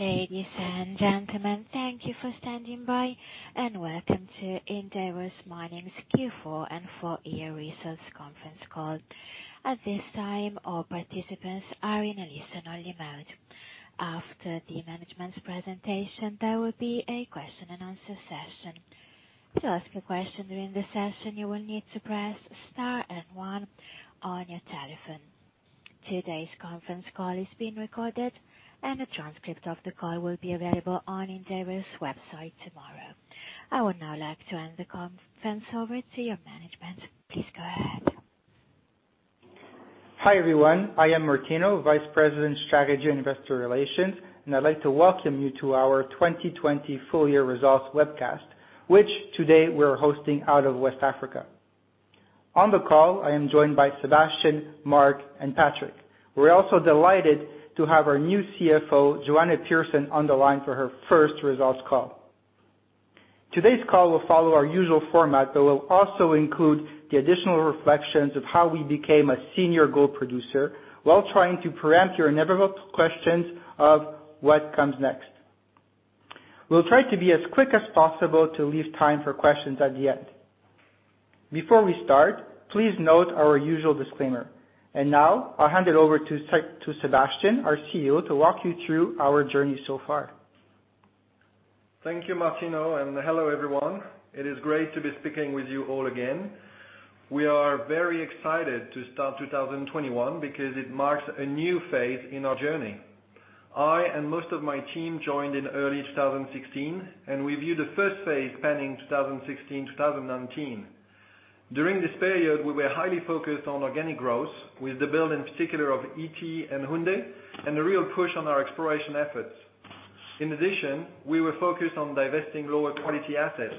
Ladies and gentlemen, thank you for standing by, and welcome to Endeavour Mining's Q4 and full year results conference call. At this time, all participants are in a listen-only mode. After the management's presentation, there will be a question and answer session. Today's conference call is being recorded, and a transcript of the call will be available on Endeavour's website tomorrow. I would now like to hand the conference over to your management. Please go ahead. Hi, everyone. I am Martino, Vice President, Strategy, and Investor Relations, and I'd like to welcome you to our 2020 full year results webcast, which today we're hosting out of West Africa. On the call, I am joined by Sébastien, Mark, and Patrick. We're also delighted to have our new CFO, Joanna Pearson, on the line for her first results call. Today's call will follow our usual format, but will also include the additional reflections of how we became a senior gold producer while trying to preempt your inevitable questions of what comes next. We'll try to be as quick as possible to leave time for questions at the end. Before we start, please note our usual disclaimer. Now, I'll hand it over to Sébastien, our CEO, to walk you through our journey so far. Thank you, Martino, hello, everyone. It is great to be speaking with you all again. We are very excited to start 2021 because it marks a new phase in our journey. I and most of my team joined in early 2016, and we view the first phase spanning 2016-2019. During this period, we were highly focused on organic growth with the build, in particular, of Ity and Houndé, and a real push on our exploration efforts. In addition, we were focused on divesting lower quality assets.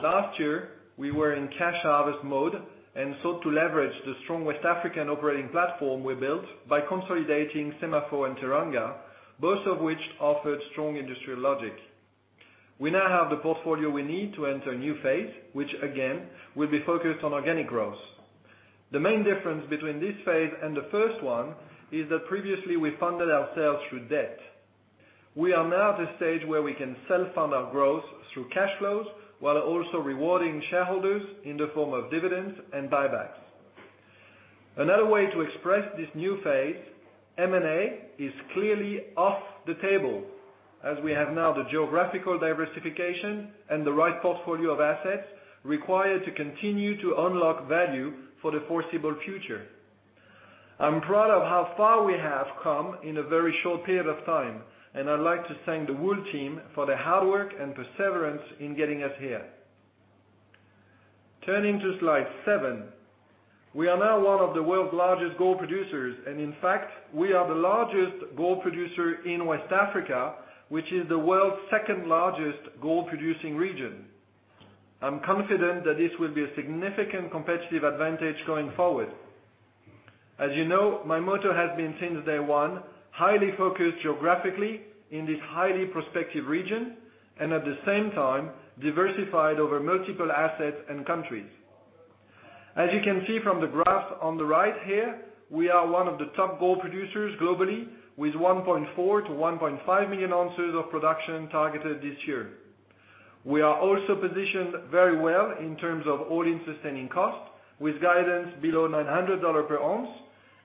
Last year, we were in cash harvest mode and sought to leverage the strong West African operating platform we built by consolidating SEMAFO and Teranga, both of which offered strong industrial logic. We now have the portfolio we need to enter a new phase, which again, will be focused on organic growth. The main difference between this phase and the first one is that previously we funded ourselves through debt. We are now at a stage where we can self-fund our growth through cash flows while also rewarding shareholders in the form of dividends and buybacks. Another way to express this new phase, M&A is clearly off the table, as we have now the geographical diversification and the right portfolio of assets required to continue to unlock value for the foreseeable future. I'm proud of how far we have come in a very short period of time, and I'd like to thank the whole team for their hard work and perseverance in getting us here. Turning to slide seven. We are now one of the world's largest gold producers, and in fact, we are the largest gold producer in West Africa, which is the world's second-largest gold-producing region. I'm confident that this will be a significant competitive advantage going forward. As you know, my motto has been since day one, highly focused geographically in this highly prospective region, and at the same time, diversified over multiple assets and countries. As you can see from the graph on the right here, we are one of the top gold producers globally with 1.4 million-1.5 million ounces of production targeted this year. We are also positioned very well in terms of all-in sustaining cost, with guidance below $900 per ounce,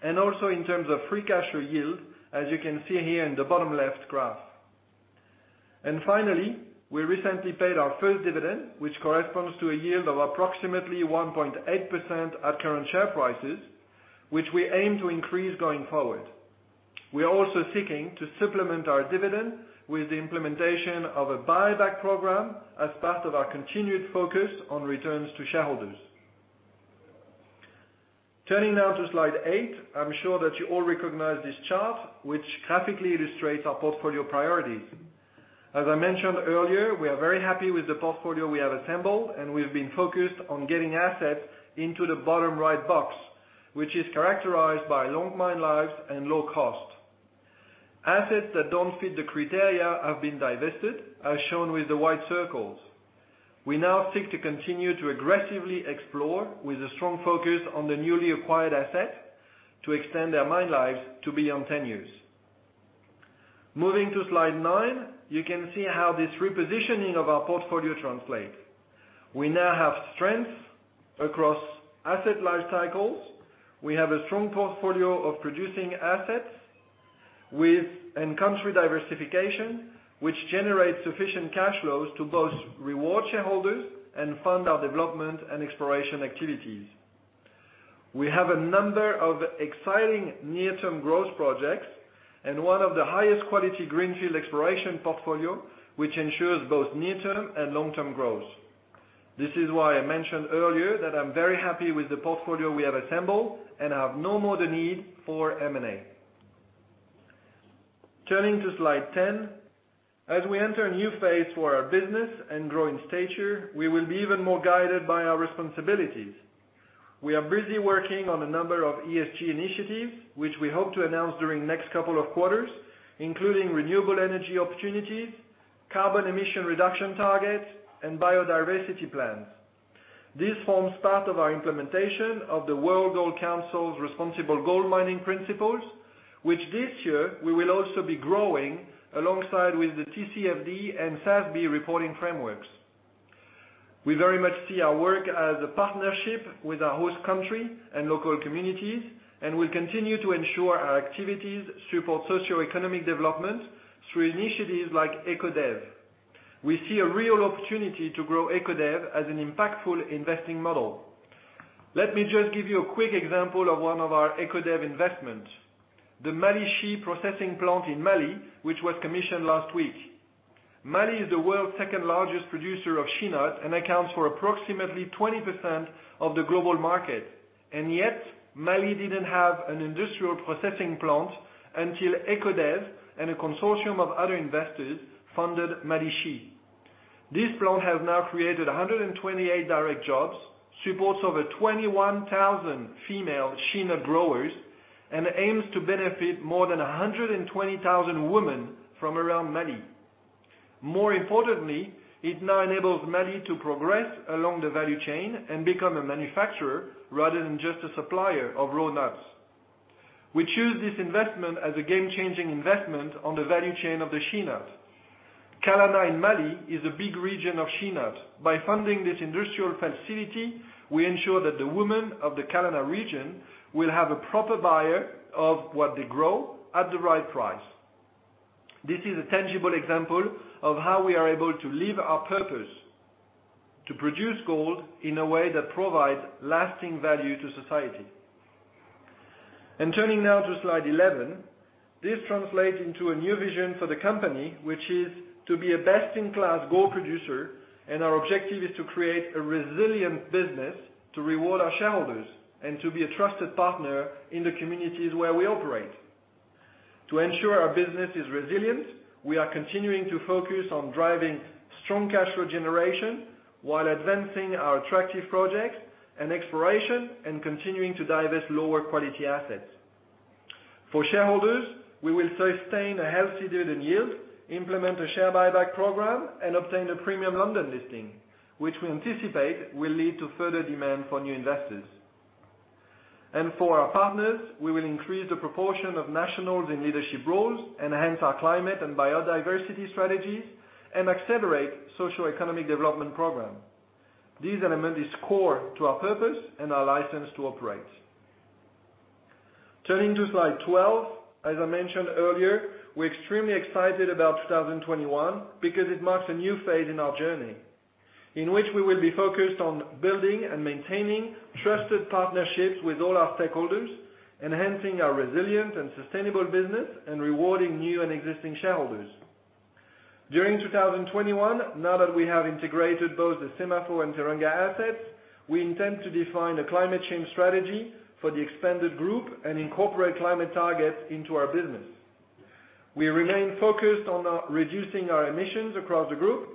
and also in terms of free cash flow yield, as you can see here in the bottom left graph. Finally, we recently paid our first dividend, which corresponds to a yield of approximately 1.8% at current share prices, which we aim to increase going forward. We are also seeking to supplement our dividend with the implementation of a buyback program as part of our continued focus on returns to shareholders. Turning now to slide eight. I'm sure that you all recognize this chart, which graphically illustrates our portfolio priorities. As I mentioned earlier, we are very happy with the portfolio we have assembled, and we've been focused on getting assets into the bottom right box, which is characterized by long mine lives and low cost. Assets that don't fit the criteria have been divested, as shown with the white circles. We now seek to continue to aggressively explore with a strong focus on the newly acquired assets to extend their mine lives to beyond 10 years. Moving to slide nine, you can see how this repositioning of our portfolio translates. We now have strength across asset life cycles. We have a strong portfolio of producing assets with in-country diversification, which generates sufficient cash flows to both reward shareholders and fund our development and exploration activities. We have a number of exciting near-term growth projects and one of the highest quality greenfield exploration portfolio, which ensures both near-term and long-term growth. This is why I mentioned earlier that I'm very happy with the portfolio we have assembled and have no more the need for M&A. Turning to slide 10. As we enter a new phase for our business and grow in stature, we will be even more guided by our responsibilities. We are busy working on a number of ESG initiatives, which we hope to announce during next couple of quarters, including renewable energy opportunities, carbon emission reduction targets, and biodiversity plans. This forms part of our implementation of the World Gold Council's Responsible Gold Mining Principles, which this year we will also be growing alongside with the TCFD and SASB reporting frameworks. We very much see our work as a partnership with our host country and local communities, and we continue to ensure our activities support socioeconomic development through initiatives like ECODEV. We see a real opportunity to grow ECODEV as an impactful investing model. Let me just give you a quick example of one of our ECODEV investments. The Mali Shi processing plant in Mali, which was commissioned last week. Mali is the world's second largest producer of shea nuts and accounts for approximately 20% of the global market. Yet, Mali didn't have an industrial processing plant until ECODEV and a consortium of other investors funded Mali Shi. This plant has now created 128 direct jobs, supports over 21,000 female shea nut growers, and aims to benefit more than 120,000 women from around Mali. More importantly, it now enables Mali to progress along the value chain and become a manufacturer rather than just a supplier of raw nuts. We choose this investment as a game-changing investment on the value chain of the shea nut. Kalana in Mali is a big region of shea nuts. By funding this industrial facility, we ensure that the women of the Kalana region will have a proper buyer of what they grow at the right price. This is a tangible example of how we are able to live our purpose, to produce gold in a way that provides lasting value to society. Turning now to slide 11. This translates into a new vision for the company, which is to be a best-in-class gold producer, and our objective is to create a resilient business to reward our shareholders and to be a trusted partner in the communities where we operate. To ensure our business is resilient, we are continuing to focus on driving strong cash flow generation while advancing our attractive projects and exploration and continuing to divest lower quality assets. For shareholders, we will sustain a healthy dividend yield, implement a share buyback program, and obtain a premium London listing, which we anticipate will lead to further demand for new investors. For our partners, we will increase the proportion of nationals in leadership roles, enhance our climate and biodiversity strategies, and accelerate socioeconomic development program. This element is core to our purpose and our license to operate. Turning to slide 12, as I mentioned earlier, we're extremely excited about 2021 because it marks a new phase in our journey in which we will be focused on building and maintaining trusted partnerships with all our stakeholders, enhancing our resilient and sustainable business, and rewarding new and existing shareholders. During 2021, now that we have integrated both the SEMAFO and Teranga assets, we intend to define a climate change strategy for the expanded group and incorporate climate targets into our business. We remain focused on reducing our emissions across the group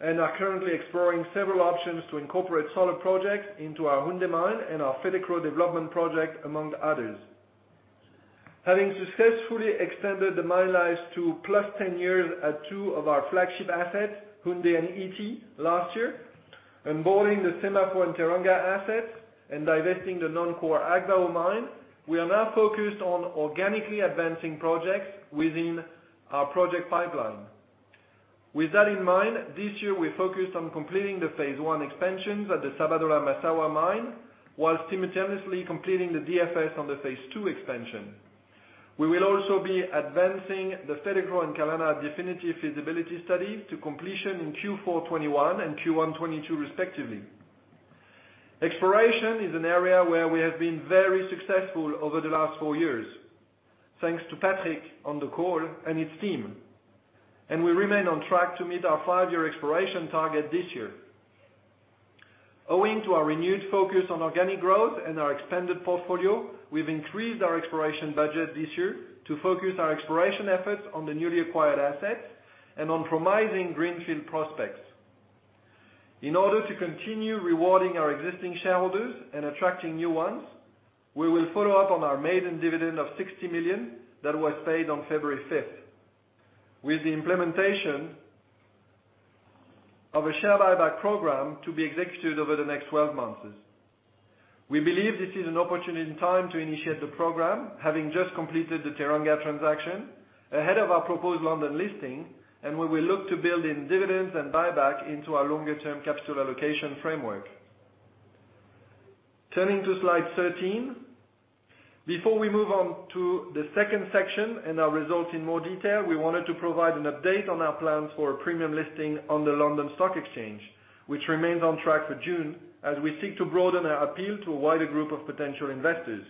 and are currently exploring several options to incorporate solar projects into our Houndé Mine and our Fetekro development project, among others. Having successfully extended the mine lives to +10 years at two of our flagship assets, Houndé and Ity last year, boarding the SEMAFO and Teranga assets and divesting the non-core Agbaou mine, we are now focused on organically advancing projects within our project pipeline. With that in mind, this year, we focused on completing the phase I expansions at the Sabodala-Massawa mine while simultaneously completing the DFS on the phase II expansion. We will also be advancing the Fetekro and Kalana definitive feasibility study to completion in Q4 2021 and Q1 2022, respectively. Exploration is an area where we have been very successful over the last four years. Thanks to Patrick on the call and his team. We remain on track to meet our five-year exploration target this year. Owing to our renewed focus on organic growth and our expanded portfolio, we've increased our exploration budget this year to focus our exploration efforts on the newly acquired assets and on promising greenfield prospects. In order to continue rewarding our existing shareholders and attracting new ones, we will follow up on our maiden dividend of $60 million that was paid on February 5th with the implementation of a share buyback program to be executed over the next 12 months. We believe this is an opportune time to initiate the program, having just completed the Teranga transaction ahead of our proposed London listing, and we will look to build in dividends and buyback into our longer term capital allocation framework. Turning to slide 13. Before we move on to the second section and our results in more detail, we wanted to provide an update on our plans for a premium listing on the London Stock Exchange, which remains on track for June as we seek to broaden our appeal to a wider group of potential investors.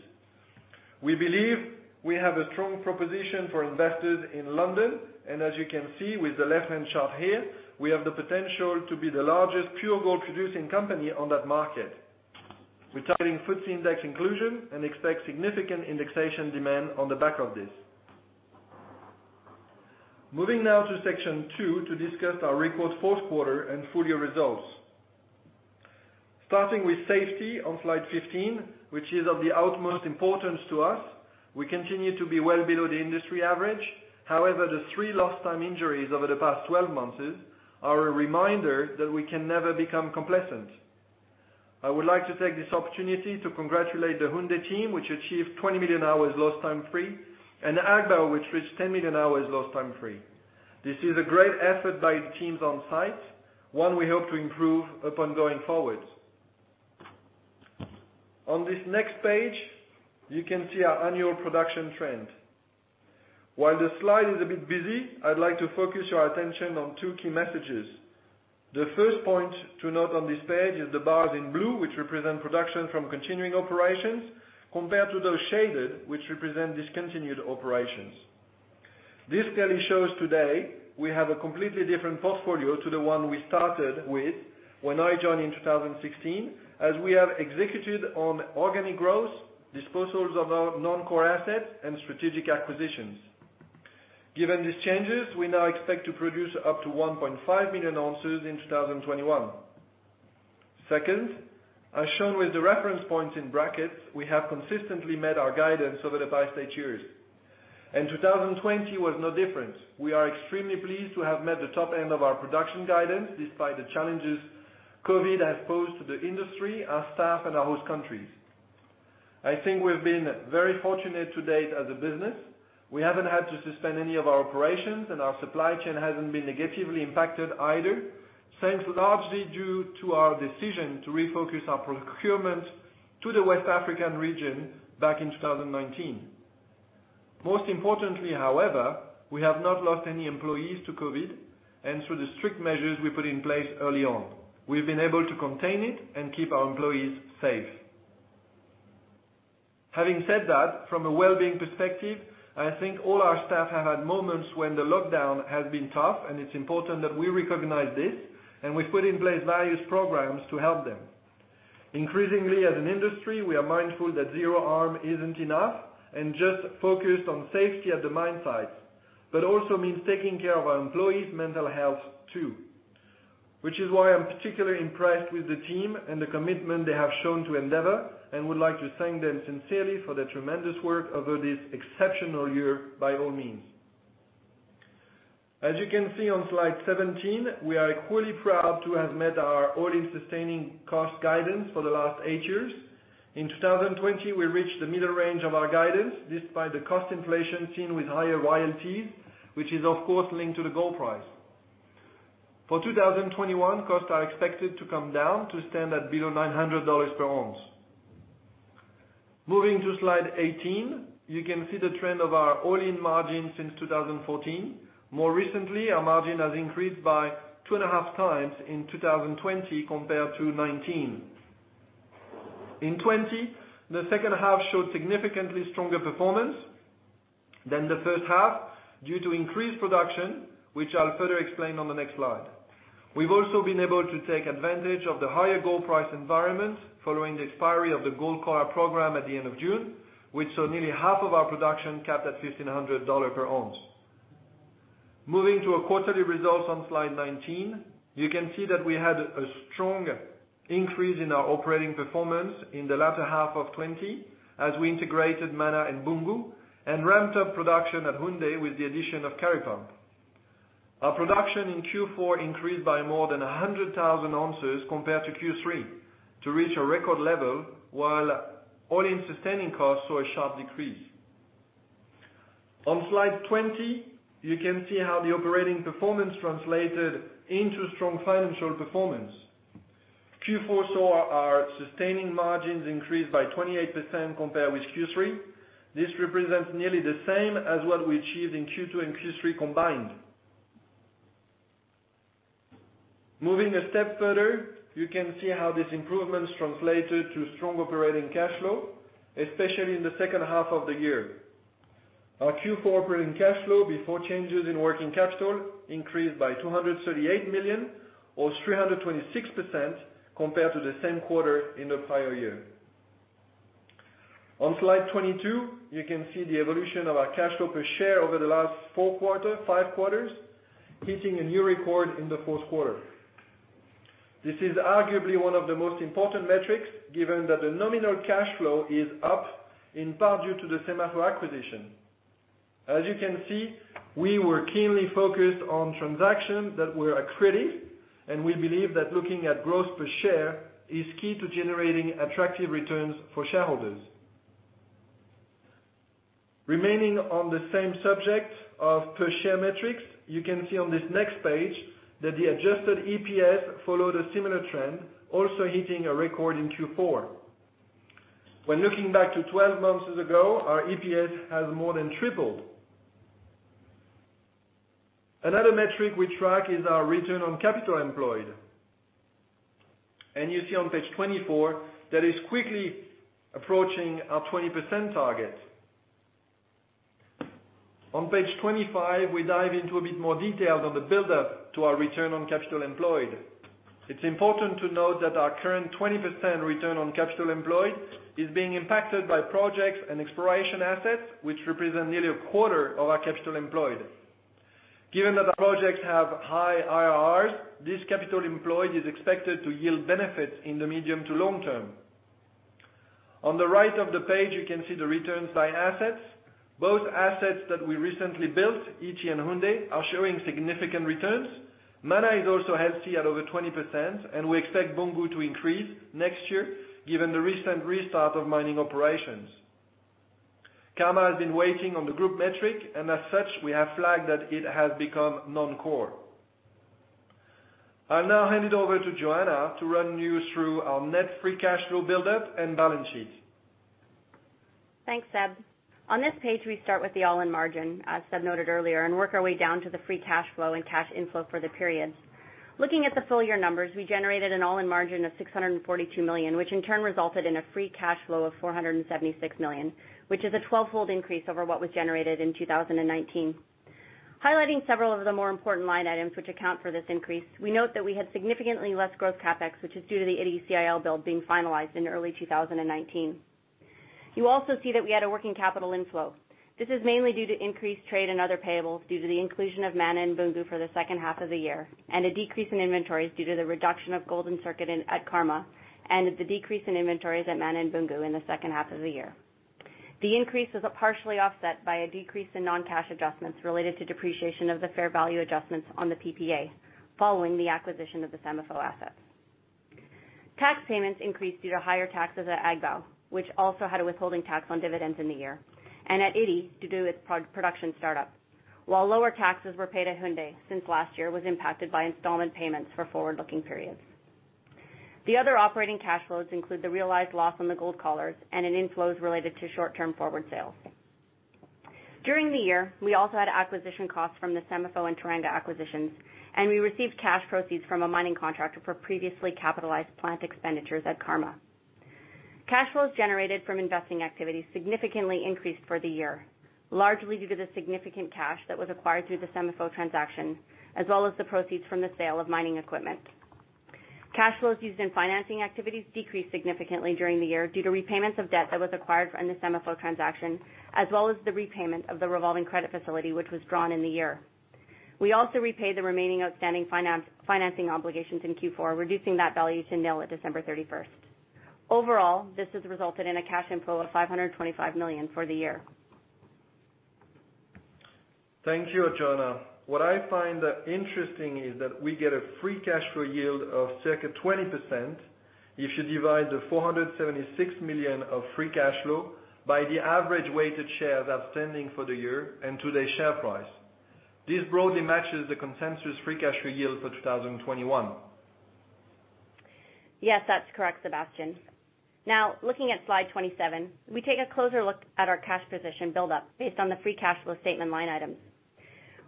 We believe we have a strong proposition for investors in London, and as you can see with the left-hand chart here, we have the potential to be the largest pure gold-producing company on that market. We're targeting FTSE Index inclusion and expect significant indexation demand on the back of this. Moving now to section two to discuss our record fourth quarter and full-year results. Starting with safety on slide 15, which is of the utmost importance to us. We continue to be well below the industry average. The three lost time injuries over the past 12 months are a reminder that we can never become complacent. I would like to take this opportunity to congratulate the Houndé team, which achieved 20 million hours lost time free, and Agbaou, which reached 10 million hours lost time free. This is a great effort by teams on site, one we hope to improve upon going forward. On this next page, you can see our annual production trend. While the slide is a bit busy, I'd like to focus your attention on two key messages. The first point to note on this page is the bars in blue, which represent production from continuing operations, compared to those shaded, which represent discontinued operations. This clearly shows today we have a completely different portfolio to the one we started with when I joined in 2016, as we have executed on organic growth, disposals of our non-core assets, and strategic acquisitions. Given these changes, we now expect to produce up to 1.5 million ounces in 2021. Second, as shown with the reference points in brackets, we have consistently met our guidance over the past eight years. 2020 was no different. We are extremely pleased to have met the top end of our production guidance, despite the challenges COVID has posed to the industry, our staff, and our host countries. I think we've been very fortunate to date as a business. We haven't had to suspend any of our operations, and our supply chain hasn't been negatively impacted either, thanks largely due to our decision to refocus our procurement to the West African region back in 2019. Most importantly, however, we have not lost any employees to COVID and through the strict measures we put in place early on. We've been able to contain it and keep our employees safe. Having said that, from a well-being perspective, I think all our staff have had moments when the lockdown has been tough, and it's important that we recognize this, and we've put in place various programs to help them. Increasingly as an industry, we are mindful that zero harm isn't enough and just focused on safety at the mine sites, but also means taking care of our employees' mental health too, which is why I'm particularly impressed with the team and the commitment they have shown to Endeavour and would like to thank them sincerely for their tremendous work over this exceptional year by all means. As you can see on slide 17, we are equally proud to have met our all-in sustaining cost guidance for the last eight years. In 2020, we reached the middle range of our guidance, despite the cost inflation seen with higher royalties, which is of course, linked to the gold price. For 2021, costs are expected to come down to stand at below $900 per ounce. Moving to slide 18, you can see the trend of our all-in margin since 2014. More recently, our margin has increased by 2.5x in 2020 compared to 2019. In 2020, the second half showed significantly stronger performance than the first half due to increased production, which I'll further explain on the next slide. We've also been able to take advantage of the higher gold price environment following the expiry of the gold collar program at the end of June, which saw nearly half of our production capped at $1,500 per ounce. Moving to our quarterly results on slide 19, you can see that we had a strong increase in our operating performance in the latter half of 2020 as we integrated Mana and Boungou and ramped up production at Houndé with the addition of Kari Pump. Our production in Q4 increased by more than 100,000 ounces compared to Q3 to reach a record level, while all-in sustaining cost saw a sharp decrease. On slide 20, you can see how the operating performance translated into strong financial performance. Q4 saw our sustaining margins increase by 28% compared with Q3. This represents nearly the same as what we achieved in Q2 and Q3 combined. Moving a step further, you can see how these improvements translated to strong operating cash flow, especially in the second half of the year. Our Q4 operating cash flow before changes in working capital increased by $238 million or 326% compared to the same quarter in the prior year. On slide 22, you can see the evolution of our cash flow per share over the last five quarters, hitting a new record in the fourth quarter. This is arguably one of the most important metrics, given that the nominal cash flow is up in part due to the SEMAFO acquisition. As you can see, we were keenly focused on transactions that were accretive, and we believe that looking at growth per share is key to generating attractive returns for shareholders. Remaining on the same subject of per share metrics, you can see on this next page that the adjusted EPS followed a similar trend, also hitting a record in Q4. When looking back to 12 months ago, our EPS has more than tripled. Another metric we track is our return on capital employed. You see on page 24, that is quickly approaching our 20% target. On page 25, we dive into a bit more detail on the buildup to our return on capital employed. It's important to note that our current 20% return on capital employed is being impacted by projects and exploration assets, which represent nearly a quarter of our capital employed. Given that the projects have high IRRs, this capital employed is expected to yield benefits in the medium to long term. On the right of the page, you can see the returns by assets. Both assets that we recently built, Ity and Houndé, are showing significant returns. Mana is also healthy at over 20%, and we expect Boungou to increase next year, given the recent restart of mining operations. Karma has been waiting on the group metric, and as such, we have flagged that it has become non-core. I'll now hand it over to Joanna to run you through our net free cash flow buildup and balance sheet. Thanks, Séb. On this page, we start with the all-in margin, as Séb noted earlier, and work our way down to the free cash flow and cash inflow for the period. Looking at the full year numbers, we generated an all-in margin of $642 million, which in turn resulted in a free cash flow of $476 million, which is a twelvefold increase over what was generated in 2019. Highlighting several of the more important line items, which account for this increase, we note that we had significantly less growth CapEx, which is due to the Ity CIL build being finalized in early 2019. You also see that we had a working capital inflow. This is mainly due to increased trade and other payables due to the inclusion of Mana and Boungou for the second half of the year, and a decrease in inventories due to the reduction of gold in circuit at Karma, and the decrease in inventories at Mana and Boungou in the second half of the year. The increase was partially offset by a decrease in non-cash adjustments related to depreciation of the fair value adjustments on the PPA following the acquisition of the SEMAFO assets. Tax payments increased due to higher taxes at Agbaou, which also had a withholding tax on dividends in the year, and at Ity due to its production startup, while lower taxes were paid at Houndé since last year was impacted by installment payments for forward-looking periods. The other operating cash flows include the realized loss on the gold collars and an inflows related to short-term forward sales. During the year, we also had acquisition costs from the SEMAFO and Teranga acquisitions, and we received cash proceeds from a mining contractor for previously capitalized plant expenditures at Karma. Cash flows generated from investing activities significantly increased for the year, largely due to the significant cash that was acquired through the SEMAFO transaction, as well as the proceeds from the sale of mining equipment. Cash flows used in financing activities decreased significantly during the year due to repayments of debt that was acquired from the SEMAFO transaction, as well as the repayment of the revolving credit facility, which was drawn in the year. We also repaid the remaining outstanding financing obligations in Q4, reducing that value to nil at December 31st. Overall, this has resulted in a cash inflow of $525 million for the year. Thank you, Joanna. What I find interesting is that we get a free cash flow yield of circa 20%. If you divide the $476 million of free cash flow by the average weighted shares outstanding for the year and today's share price. This broadly matches the consensus free cash flow yield for 2021. Yes, that's correct, Sébastien. Looking at slide 27, we take a closer look at our cash position buildup based on the free cash flow statement line items.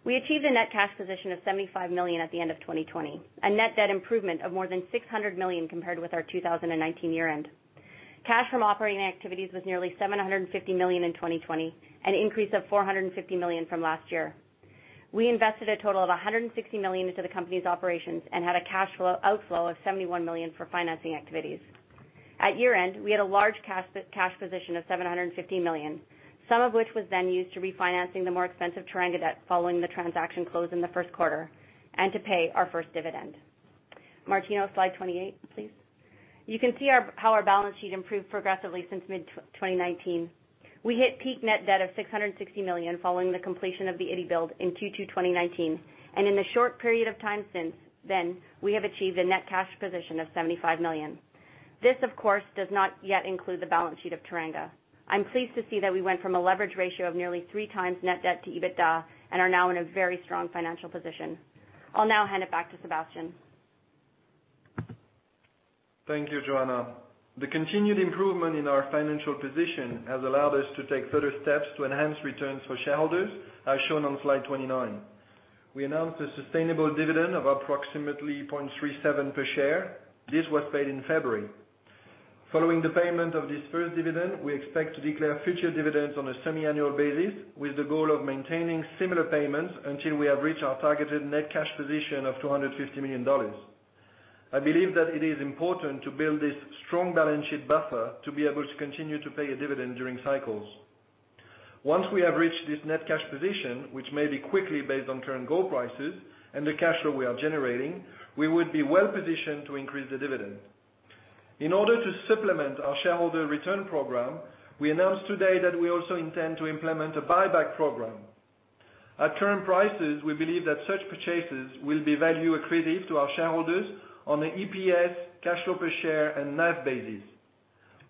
We achieved a net cash position of $75 million at the end of 2020, a net debt improvement of more than $600 million compared with our 2019 year-end. Cash from operating activities was nearly $750 million in 2020, an increase of $450 million from last year. We invested a total of $160 million into the company's operations and had a cash outflow of $71 million for financing activities. At year-end, we had a large cash position of $750 million, some of which was then used to refinancing the more expensive Teranga debt following the transaction close in the first quarter and to pay our first dividend. Martino, slide 28, please. You can see how our balance sheet improved progressively since mid-2019. We hit peak net debt of $660 million following the completion of the Ity build in Q2 2019, and in the short period of time since then, we have achieved a net cash position of $75 million. This, of course, does not yet include the balance sheet of Teranga. I'm pleased to see that we went from a leverage ratio of nearly three times net debt to EBITDA and are now in a very strong financial position. I'll now hand it back to Sébastien. Thank you, Joanna. The continued improvement in our financial position has allowed us to take further steps to enhance returns for shareholders, as shown on slide 29. We announced a sustainable dividend of approximately $0.37 per share. This was paid in February. Following the payment of this first dividend, we expect to declare future dividends on a semi-annual basis with the goal of maintaining similar payments until we have reached our targeted net cash position of $250 million. I believe that it is important to build this strong balance sheet buffer to be able to continue to pay a dividend during cycles. Once we have reached this net cash position, which may be quickly based on current gold prices and the cash flow we are generating, we would be well-positioned to increase the dividend. In order to supplement our shareholder return program, we announced today that we also intend to implement a buyback program. At current prices, we believe that such purchases will be value accretive to our shareholders on an EPS, cash flow per share, and NAV basis.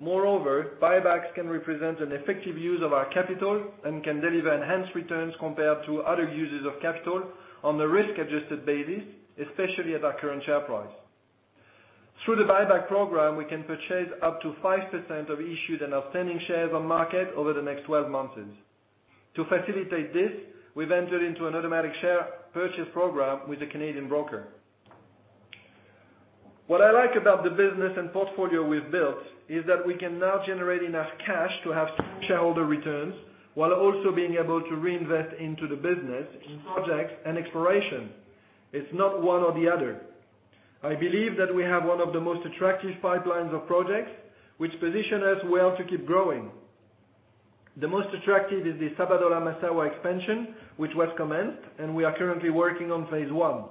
Buybacks can represent an effective use of our capital and can deliver enhanced returns compared to other uses of capital on a risk-adjusted basis, especially at our current share price. Through the buyback program, we can purchase up to 5% of issued and outstanding shares on market over the next 12 months. To facilitate this, we've entered into an automatic share purchase program with a Canadian broker. What I like about the business and portfolio we've built is that we can now generate enough cash to have shareholder returns while also being able to reinvest into the business, in projects, and exploration. It's not one or the other. I believe that we have one of the most attractive pipelines of projects, which position us well to keep growing. The most attractive is the Sabodala-Massawa expansion, which was commenced. We are currently working on phase I.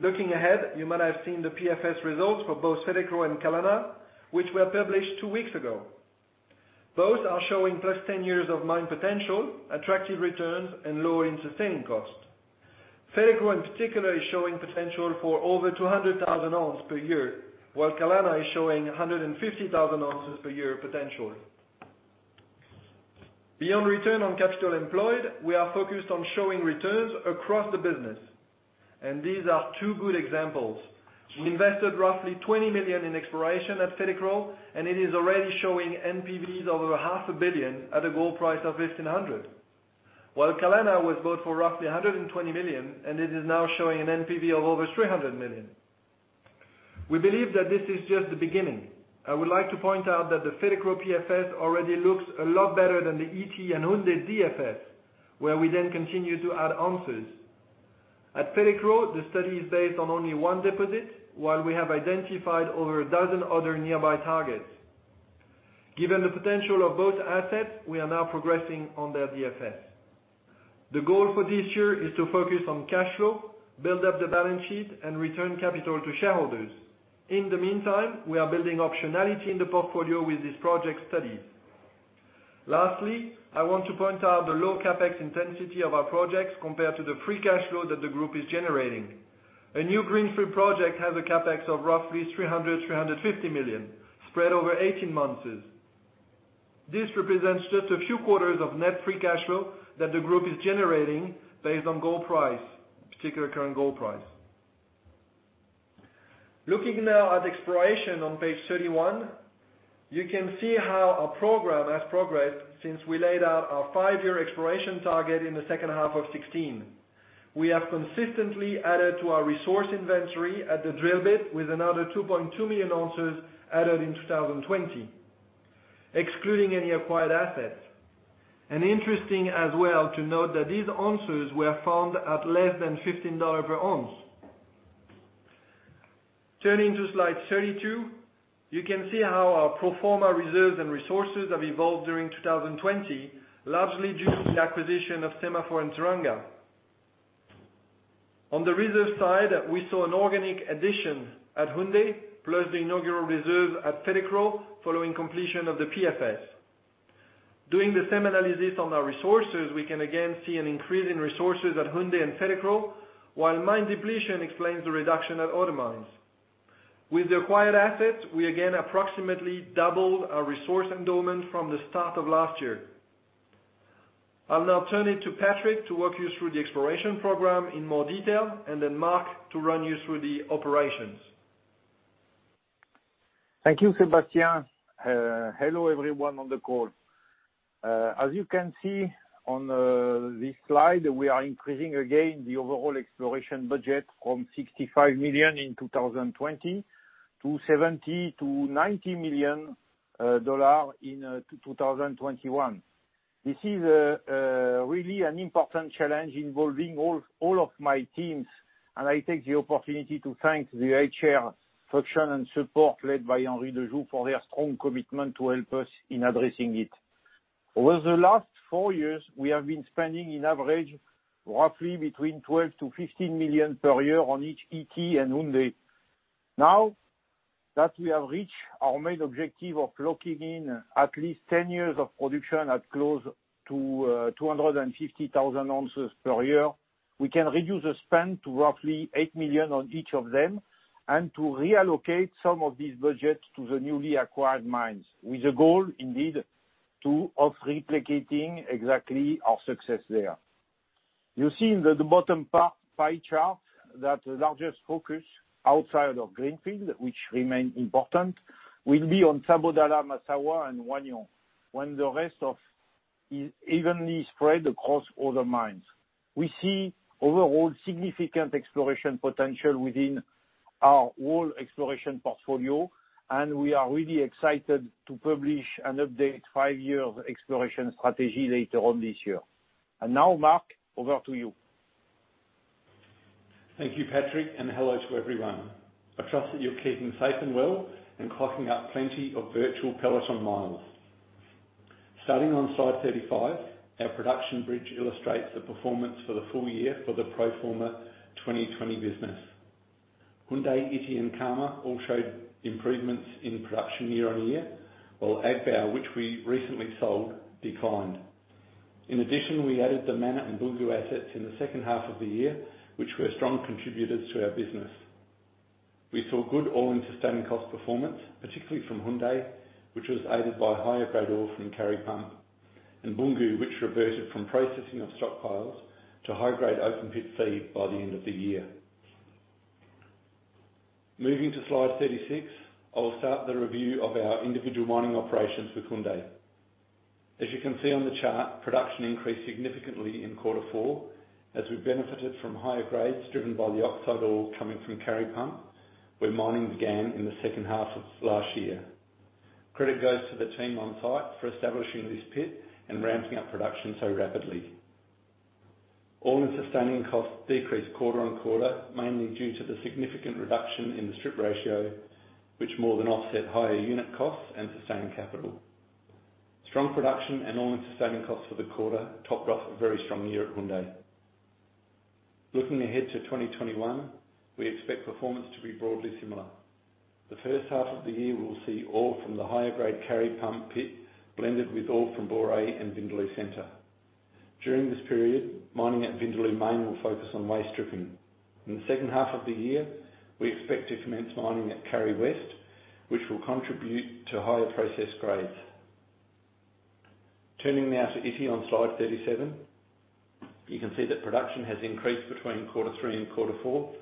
Looking ahead, you might have seen the PFS results for both Fetekro and Kalana, which were published two weeks ago. Both are showing plus 10 years of mine potential, attractive returns, and low all-in sustaining costs. Fetekro in particular is showing potential for over 200,000 ounce per year, while Kalana is showing 150,000 ounces per year potentially. Beyond return on capital employed, we are focused on showing returns across the business. These are two good examples. We invested roughly $20 million in exploration at Fetekro. It is already showing NPVs over a half a billion at a gold price of $1,500. While Kalana was bought for roughly $120 million, it is now showing an NPV of over $300 million. We believe that this is just the beginning. I would like to point out that the Fetekro PFS already looks a lot better than the Ity and Houndé DFS, where we then continue to add ounces. At Fetekro, the study is based on only one deposit, while we have identified over a dozen other nearby targets. Given the potential of both assets, we are now progressing on their DFS. The goal for this year is to focus on cash flow, build up the balance sheet, and return capital to shareholders. In the meantime, we are building optionality in the portfolio with this project study. Lastly, I want to point out the low CapEx intensity of our projects compared to the free cash flow that the group is generating. A new greenfield project has a CapEx of roughly $300 million-$350 million, spread over 18 months. This represents just a few quarters of net free cash flow that the group is generating based on gold price, particular current gold price. Looking now at exploration on page 31, you can see how our program has progressed since we laid out our five-year exploration target in the second half of 2016. Interesting as well to note that these ounces were found at less than $15 per ounce. Turning to slide 32, you can see how our pro forma reserves and resources have evolved during 2020, largely due to the acquisition of SEMAFO and Teranga. On the reserve side, we saw an organic addition at Houndé, plus the inaugural reserve at Fetekro following completion of the PFS. Doing the same analysis on our resources, we can again see an increase in resources at Houndé and Fetekro, while mine depletion explains the reduction at other mines. With the acquired assets, we again approximately doubled our resource endowment from the start of last year. I'll now turn it to Patrick to walk you through the exploration program in more detail, and then Mark to run you through the operations. Thank you, Sébastien. Hello, everyone on the call. As you can see on this slide, we are increasing again the overall exploration budget from $65 million in 2020 to $70 million-$90 million in 2021. This is really an important challenge involving all of my teams, and I take the opportunity to thank the HR function and support led by Henri de Joux for their strong commitment to help us in addressing it. Over the last four years, we have been spending on average roughly between $12 million-$15 million per year on each Ity and Houndé. Now that we have reached our main objective of locking in at least 10 years of production at close to 250,000 ounces per year, we can reduce the spend to roughly $8 million on each of them and to reallocate some of this budget to the newly acquired mines with the goal, indeed, of replicating exactly our success there. You see in the bottom pie chart that the largest focus outside of greenfield, which remains important, will be on Sabodala, Massawa, and Wahgnion, with the rest evenly spread across all the mines. We see overall significant exploration potential within our whole exploration portfolio, and we are really excited to publish an updated five-year exploration strategy later on this year. Now Mark, over to you. Thank you, Patrick, and hello to everyone. I trust that you're keeping safe and well and clocking up plenty of virtual Peloton miles. Starting on slide 35, our production bridge illustrates the performance for the full year for the pro forma 2020 business. Houndé, Ity, and Karma all showed improvements in production year-on-year, while Agbaou, which we recently sold, declined. We added the Mana and Boungou assets in the second half of the year, which were strong contributors to our business. We saw good all-in sustaining cost performance, particularly from Houndé, which was aided by higher-grade ore from Kari Pump, and Boungou which reverted from processing of stockpiles to high-grade open pit feed by the end of the year. Moving to slide 36, I will start the review of our individual mining operations with Houndé. As you can see on the chart, production increased significantly in quarter four as we benefited from higher grades driven by the oxide ore coming from Kari Pump, where mining began in the second half of last year. Credit goes to the team on site for establishing this pit and ramping up production so rapidly. all-in sustaining costs decreased quarter on quarter, mainly due to the significant reduction in the strip ratio, which more than offset higher unit costs and sustaining capital. Strong production and all-in sustaining costs for the quarter topped off a very strong year at Houndé. Looking ahead to 2021, we expect performance to be broadly similar. The first half of the year, we'll see ore from the higher-grade Kari Pump pit blended with ore from Bouéré and Vindaloo Centre. During this period, mining at Vindaloo Main will focus on waste stripping. In the second half of the year, we expect to commence mining at Kari West, which will contribute to higher process grades. Turning now to Ity on slide 37. You can see that production has increased between quarter three and quarter four,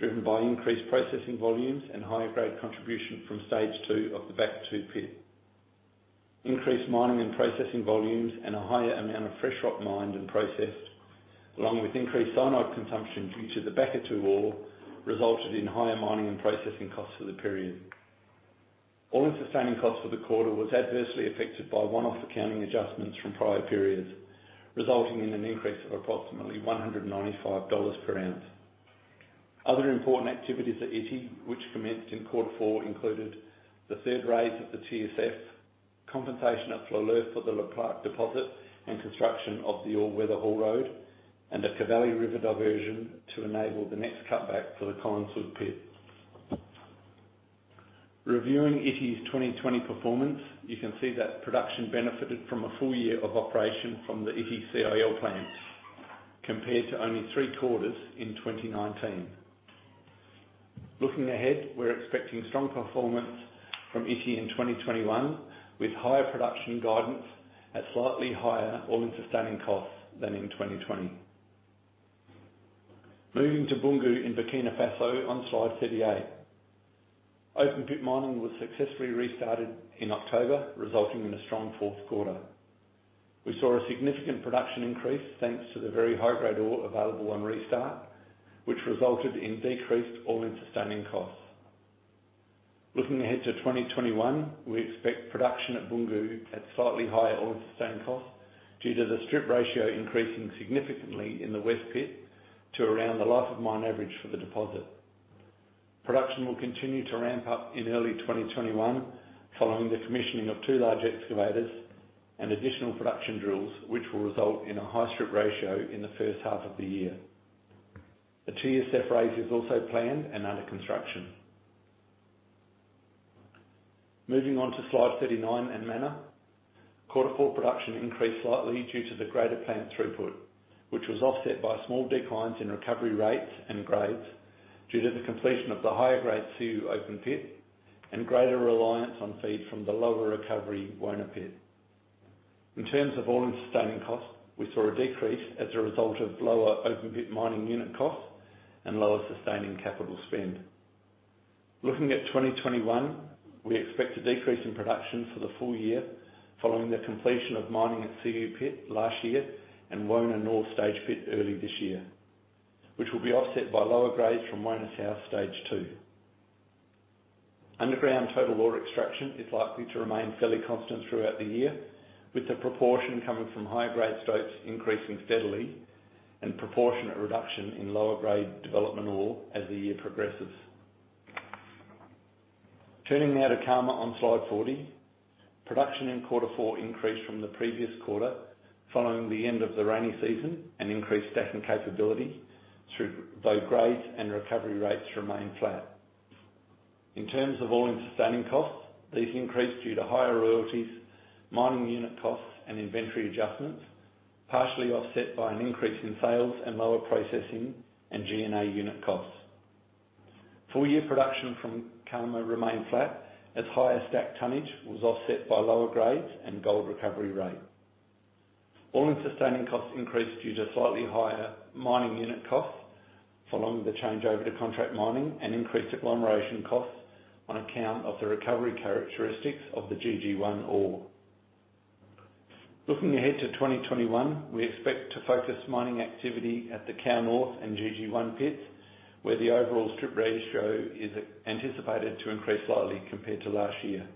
driven by increased processing volumes and higher grade contribution from stage 2 of the Bakatouo 2 pit. Increased mining and processing volumes, a higher amount of fresh rock mined and processed, along with increased cyanide consumption due to the Bakatouo 2 ore, resulted in higher mining and processing costs for the period. All-in sustaining costs for the quarter was adversely affected by one-off accounting adjustments from prior periods, resulting in an increase of approximately $195 per ounce. Other important activities at Ity, which commenced in quarter four included the third raise of the TSF, compensation of Floleu for the Le Plaque deposit, and construction of the all-weather haul road, and a Cavally River diversion to enable the next cutback for the Colline Sud pit. Reviewing Ity's 2020 performance, you can see that production benefited from a full year of operation from the Ity CIL Plant, compared to only three quarters in 2019. Looking ahead, we're expecting strong performance from Ity in 2021, with higher production guidance at slightly higher all-in sustaining costs than in 2020. Moving to Boungou in Burkina Faso on slide 38. Open pit mining was successfully restarted in October, resulting in a strong fourth quarter. We saw a significant production increase thanks to the very high-grade ore available on restart, which resulted in decreased all-in sustaining costs. Looking ahead to 2021, we expect production at Boungou at slightly higher all-in sustaining costs due to the strip ratio increasing significantly in the West pit to around the life of mine average for the deposit. Production will continue to ramp up in early 2021, following the commissioning of two large excavators and additional production drills, which will result in a high strip ratio in the first half of the year. A TSF raise is also planned and under construction. Moving on to slide 39 and Mana. Quarter 4 production increased slightly due to the greater plant throughput, which was offset by small declines in recovery rates and grades due to the completion of the higher-grade Siou open pit and greater reliance on feed from the lower recovery Wona pit. In terms of all-in sustaining costs, we saw a decrease as a result of lower open pit mining unit costs and lower sustaining capital spend. Looking at 2021, we expect a decrease in production for the full year following the completion of mining at Siou pit last year and Wona North Stage pit early this year, which will be offset by lower grades from Wona South Stage 2. Underground total ore extraction is likely to remain fairly constant throughout the year, with the proportion coming from higher grade stocks increasing steadily and proportionate reduction in lower grade development ore as the year progresses. Turning now to Karma on slide 40. Production in quarter four increased from the previous quarter following the end of the rainy season and increased stacking capability through both grades and recovery rates remain flat. In terms of all-in sustaining costs, these increased due to higher royalties, mining unit costs and inventory adjustments, partially offset by an increase in sales and lower processing and G&A unit costs. Full-year production from Karma remained flat as higher stacked tonnage was offset by lower grades and gold recovery rate. All-in sustaining costs increased due to slightly higher mining unit costs following the changeover to contract mining and increased agglomeration costs on account of the recovery characteristics of the GG1 ore. Looking ahead to 2021, we expect to focus mining activity at the Kao North and GG1 pits, where the overall strip ratio is anticipated to increase slightly compared to last year.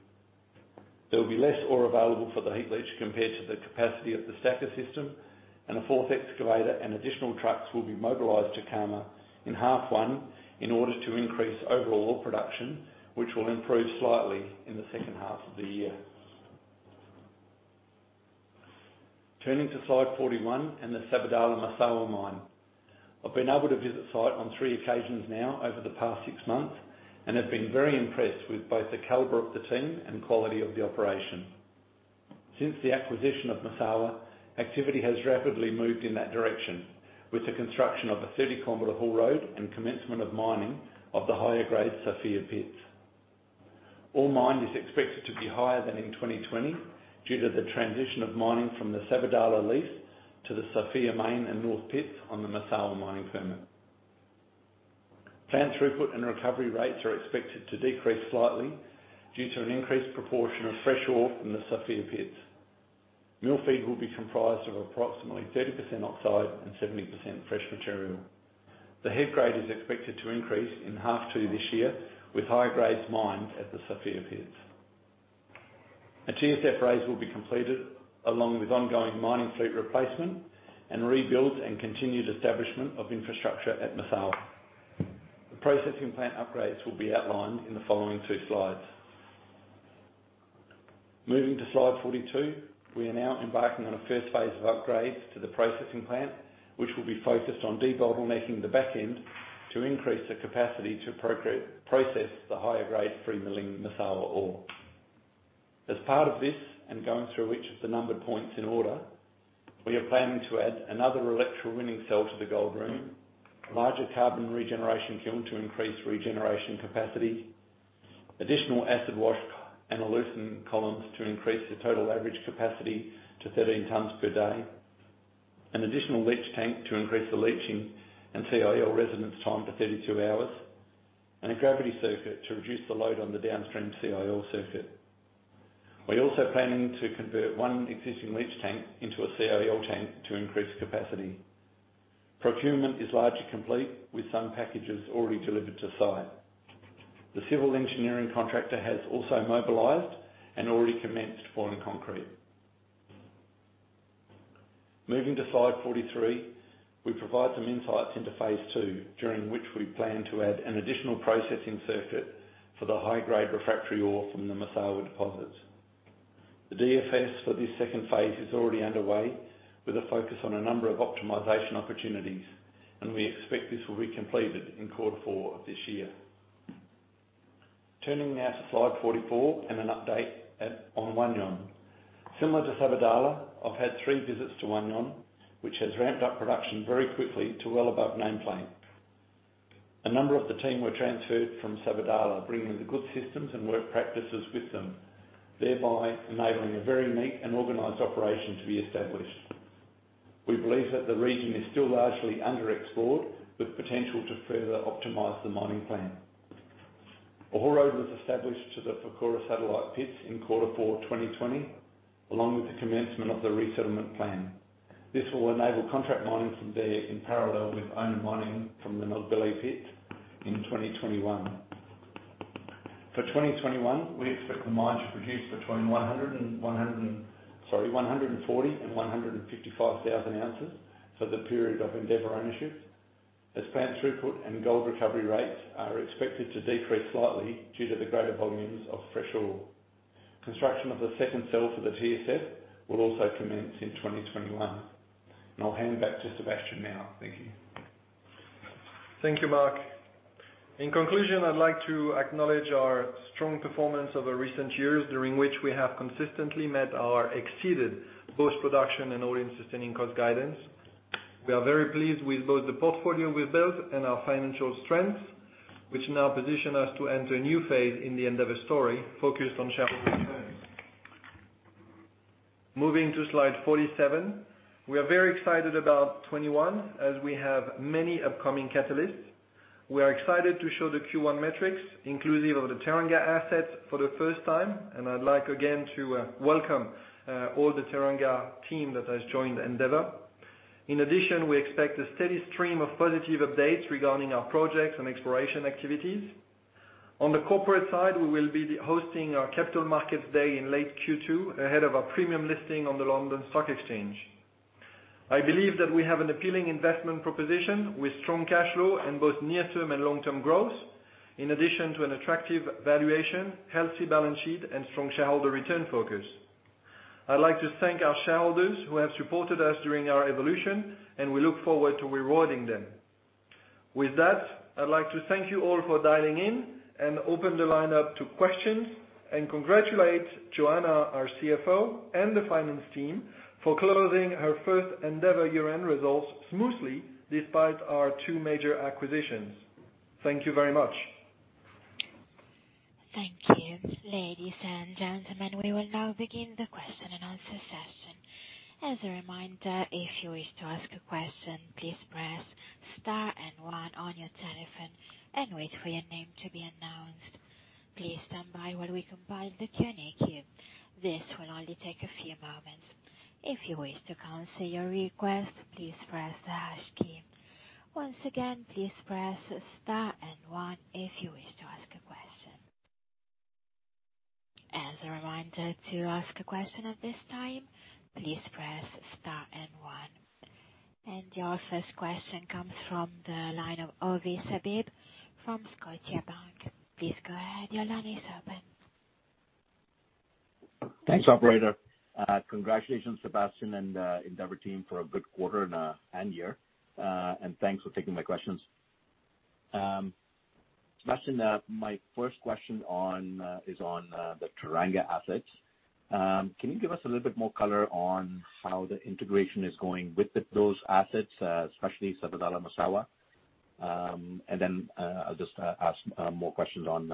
There will be less ore available for the heap leach compared to the capacity of the stacker system, and a fourth excavator and additional trucks will be mobilized to Karma in Half 1 in order to increase overall ore production, which will improve slightly in the second half of the year. Turning to slide 41 and the Sabodala-Massawa mine. I've been able to visit site on three occasions now over the past six months and have been very impressed with both the caliber of the team and quality of the operation. Since the acquisition of Massawa, activity has rapidly moved in that direction with the construction of a 30 km haul road and commencement of mining of the higher-grade Sofia pits. Ore mined is expected to be higher than in 2020 due to the transition of mining from the Sabodala lease to the Sofia Main and North pits on the Massawa mining permit. Plant throughput and recovery rates are expected to decrease slightly due to an increased proportion of fresh ore from the Sofia pits. Mill feed will be comprised of approximately 30% oxide and 70% fresh material. The head grade is expected to increase in Half 2 this year with higher grades mined at the Sofia pits. A TSF raise will be completed along with ongoing mining fleet replacement and rebuilds and continued establishment of infrastructure at Massawa. The processing plant upgrades will be outlined in the following two slides. Moving to slide 42. We are now embarking on a first phase of upgrades to the processing plant, which will be focused on debottlenecking the back end to increase the capacity to process the higher-grade free milling Massawa ore. As part of this, and going through each of the numbered points in order, we are planning to add another electrowinning cell to the gold room, larger carbon regeneration kiln to increase regeneration capacity, additional acid wash and eluting columns to increase the total average capacity to 13 tons per day, an additional leach tank to increase the leaching and CIL residence time to 32 hours, and a gravity circuit to reduce the load on the downstream CIL circuit. We are also planning to convert one existing leach tank into a CIL tank to increase capacity. Procurement is largely complete, with some packages already delivered to site. The civil engineering contractor has also mobilized and already commenced pouring concrete. Moving to slide 43, we provide some insights into phase II, during which we plan to add an additional processing circuit for the high-grade refractory ore from the Massawa deposits. The DFS for this second phase is already underway, with a focus on a number of optimization opportunities, and we expect this will be completed in quarter four of this year. Turning now to slide 44 and an update on Wahgnion. Similar to Sabodala, I have had three visits to Wahgnion, which has ramped up production very quickly to well above nameplate. A number of the team were transferred from Sabodala, bringing the good systems and work practices with them, thereby enabling a very neat and organized operation to be established. We believe that the region is still largely underexplored, with potential to further optimize the mining plan. A haul road was established to the Fourkoura satellite pits in quarter four 2020, along with the commencement of the resettlement plan. This will enable contract mining from there in parallel with own mining from the Nogbélé pit in 2021. For 2021, we expect the mine to produce between 140,000 and 155,000 ounces for the period of Endeavour ownership, as plant throughput and gold recovery rates are expected to decrease slightly due to the greater volumes of fresh ore. Construction of the second cell for the TSF will also commence in 2021. I'll hand back to Sébastien now. Thank you. Thank you, Mark. In conclusion, I'd like to acknowledge our strong performance over recent years, during which we have consistently met or exceeded both production and all-in sustaining cost guidance. We are very pleased with both the portfolio we've built and our financial strength, which now position us to enter a new phase in the Endeavour story focused on shareholder returns. Moving to slide 47. We are very excited about 2021, as we have many upcoming catalysts. We are excited to show the Q1 metrics, inclusive of the Teranga assets for the first time, and I'd like again to welcome all the Teranga team that has joined Endeavour. In addition, we expect a steady stream of positive updates regarding our projects and exploration activities. On the corporate side, we will be hosting our Capital Markets Day in late Q2, ahead of our premium listing on the London Stock Exchange. I believe that we have an appealing investment proposition with strong cash flow and both near-term and long-term growth, in addition to an attractive valuation, healthy balance sheet, and strong shareholder return focus. I'd like to thank our shareholders who have supported us during our evolution, and we look forward to rewarding them. With that, I'd like to thank you all for dialing in and open the line up to questions and congratulate Joanna, our CFO, and the finance team for closing our first Endeavour year-end results smoothly despite our two major acquisitions. Thank you very much. Thank you. Ladies and gentlemen, we will now begin the question and answer session. As a reminder, if you wish to ask a question, please press star and one on your telephone and wait for your name to be announced. Please stand by while we compile the Q&A queue. This will only take a few moments. If you wish to cancel your request, please press the hash key. Once again, please press star and one if you wish to ask a question. As a reminder, if you wish to ask a question as this time please press star and one. Your first question comes from the line of Ovais Habib from Scotiabank. Please go ahead. Your line is open. Thanks, operator. Congratulations, Sébastien and Endeavour team for a good quarter and year. Thanks for taking my questions. Sébastien, my first question is on the Teranga assets. Can you give us a little bit more color on how the integration is going with those assets, especially Sabodala and Massawa? I'll just ask more questions on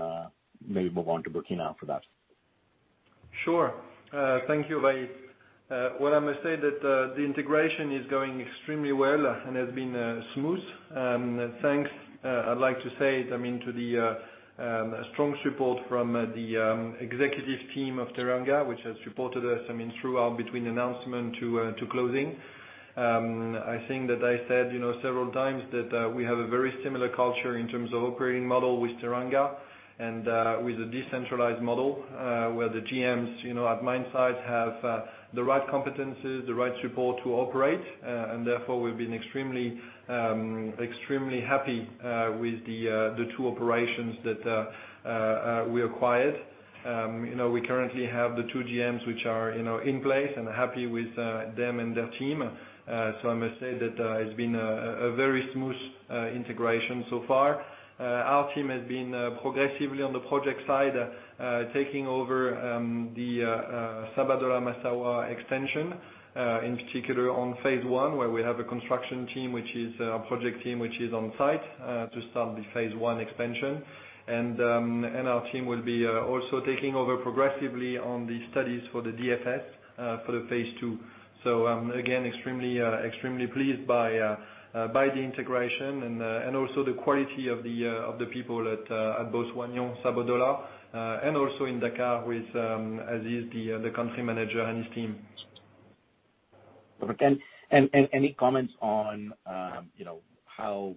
maybe move on to Burkina after that. Sure. Thank you, Ovais. What I must say that the integration is going extremely well and has been smooth. Thanks, I'd like to say it, to the strong support from the Executive Team of Teranga, which has supported us throughout between announcement to closing. I think that I said several times that we have a very similar culture in terms of operating model with Teranga and with a decentralized model where the GMs at mine site have the right competencies, the right support to operate, and therefore, we've been extremely happy with the two operations that we acquired. We currently have the two GMs which are in place and are happy with them and their team. I must say that it's been a very smooth integration so far. Our team has been progressively on the project side, taking over the Sabodala-Massawa extension, in particular on phase I, where we have a construction team, which is a project team, which is on site to start the phase I expansion. Our team will be also taking over progressively on the studies for the DFS for the phase II. Again, extremely pleased by the integration and also the quality of the people at both Wahgnion, Sabodala, and also in Dakar with Aziz, the Country Manager, and his team. Perfect. Any comments on how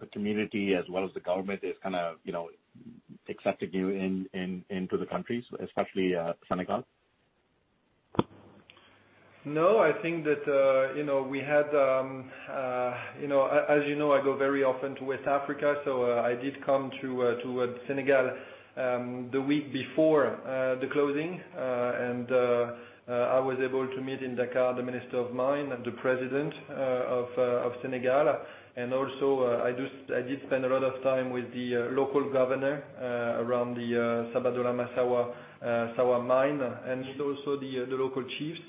the community as well as the government is accepting you into the countries, especially Senegal? No. As you know, I go very often to West Africa. I did come to Senegal the week before the closing. I was able to meet in Dakar, the Minister of Mine and the President of Senegal. Also, I did spend a lot of time with the local governor around the Sabodala-Massawa mine and meet also the local chiefs.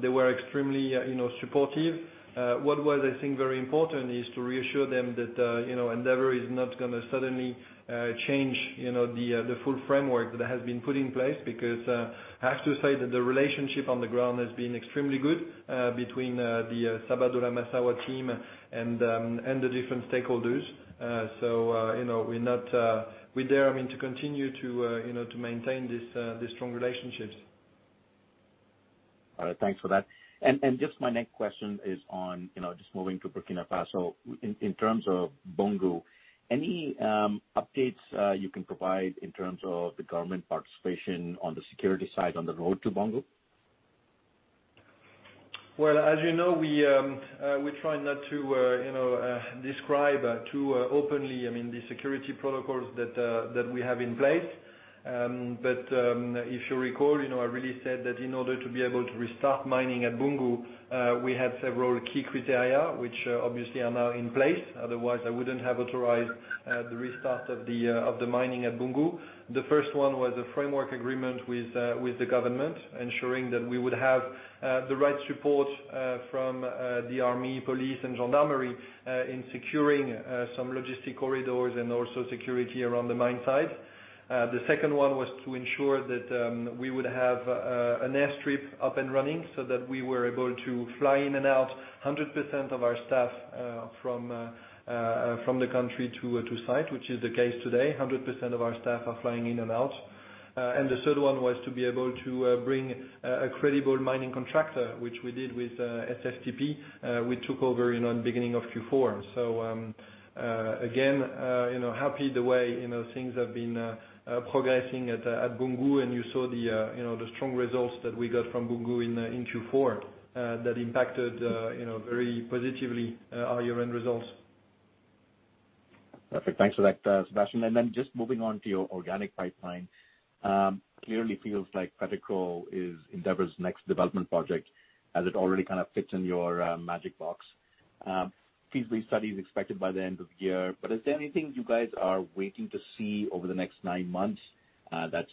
They were extremely supportive. What was, I think, very important is to reassure them that Endeavour is not going to suddenly change the full framework that has been put in place because I have to say that the relationship on the ground has been extremely good between the Sabodala-Massawa team and the different stakeholders. We're there, I mean, to continue to maintain these strong relationships. All right. Thanks for that. My next question is on just moving to Burkina Faso. In terms of Boungou, any updates you can provide in terms of the government participation on the security side on the road to Boungou? Well, as you know, we try not to describe too openly the security protocols that we have in place. If you recall, I really said that in order to be able to restart mining at Boungou, we had several key criteria which obviously are now in place. Otherwise, I wouldn't have authorized the restart of the mining at Boungou. The first one was a framework agreement with the government, ensuring that we would have the right support from the army, police, and gendarmerie in securing some logistic corridors and also security around the mine site. The second one was to ensure that we would have an airstrip up and running so that we were able to fly in and out 100% of our staff from the country to site, which is the case today, 100% of our staff are flying in and out. The third one was to be able to bring a credible mining contractor, which we did with SSTP, which took over in beginning of Q4. Again, happy the way things have been progressing at Boungou, and you saw the strong results that we got from Boungou in Q4 that impacted very positively our year-end results. Perfect. Thanks for that, Sébastien. Just moving on to your organic pipeline. Clearly feels like Fetekro is Endeavour's next development project as it already fits in your magic box. Feasibility study is expected by the end of the year, is there anything you guys are waiting to see over the next nine months that's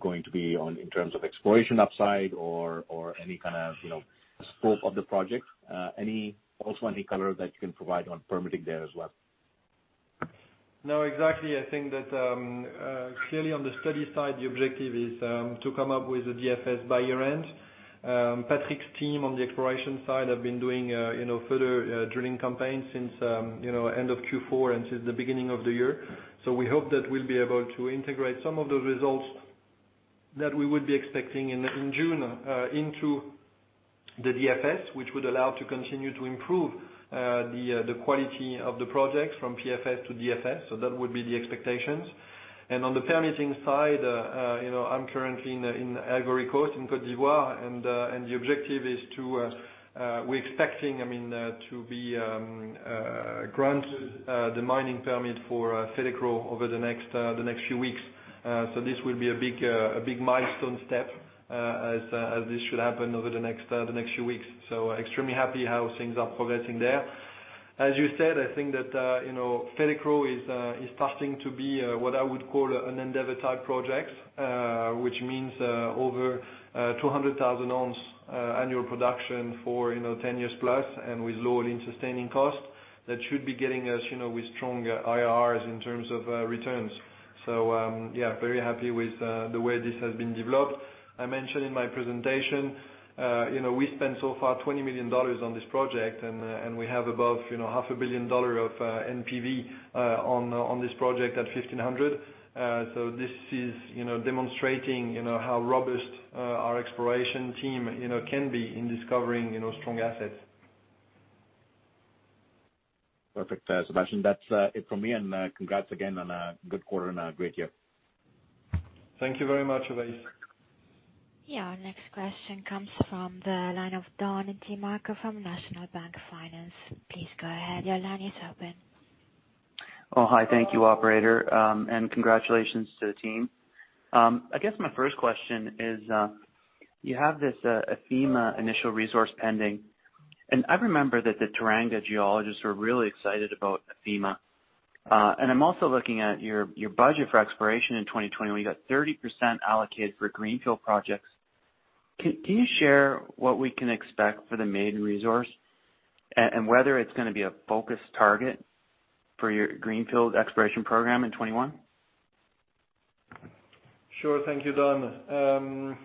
going to be on in terms of exploration upside or any kind of scope of the project? Any color that you can provide on permitting there as well. No, exactly. I think that clearly on the study side, the objective is to come up with a DFS by year-end. Patrick's team on the exploration side have been doing further drilling campaigns since end of Q4 and since the beginning of the year. We hope that we'll be able to integrate some of those results that we would be expecting in June into the DFS, which would allow to continue to improve the quality of the project from PFS to DFS. That would be the expectations. On the permitting side, I'm currently in Ivory Coast, in Côte d'Ivoire, and the objective is we're expecting to be granted the mining permit for Fetekro over the next few weeks. This will be a big milestone step as this should happen over the next few weeks. Extremely happy how things are progressing there. As you said, I think that Fetekro is starting to be what I would call an Endeavour-type project, which means over 200,000 ounce annual production for 10 years plus and with low all-in sustaining cost. That should be getting us with strong IRRs in terms of returns. Yeah, very happy with the way this has been developed. I mentioned in my presentation we spent so far $20 million on this project, and we have above $500 billion of NPV on this project at $1,500. This is demonstrating how robust our exploration team can be in discovering strong assets. Perfect, Sébastien. That's it from me, and congrats again on a good quarter and a great year. Thank you very much, Ovais. Yeah. Our next question comes from the line of Don DeMarco from National Bank Financial. Please go ahead. Your line is open. Hi. Thank you, operator, and congratulations to the team. I guess my first question is, you have this Afema initial resource pending, and I remember that the Teranga geologists were really excited about Afema. I'm also looking at your budget for exploration in 2020, where you got 30% allocated for greenfield projects. Can you share what we can expect for the maiden resource and whether it's going to be a focus target for your greenfield exploration program in 2021? Thank you, Don.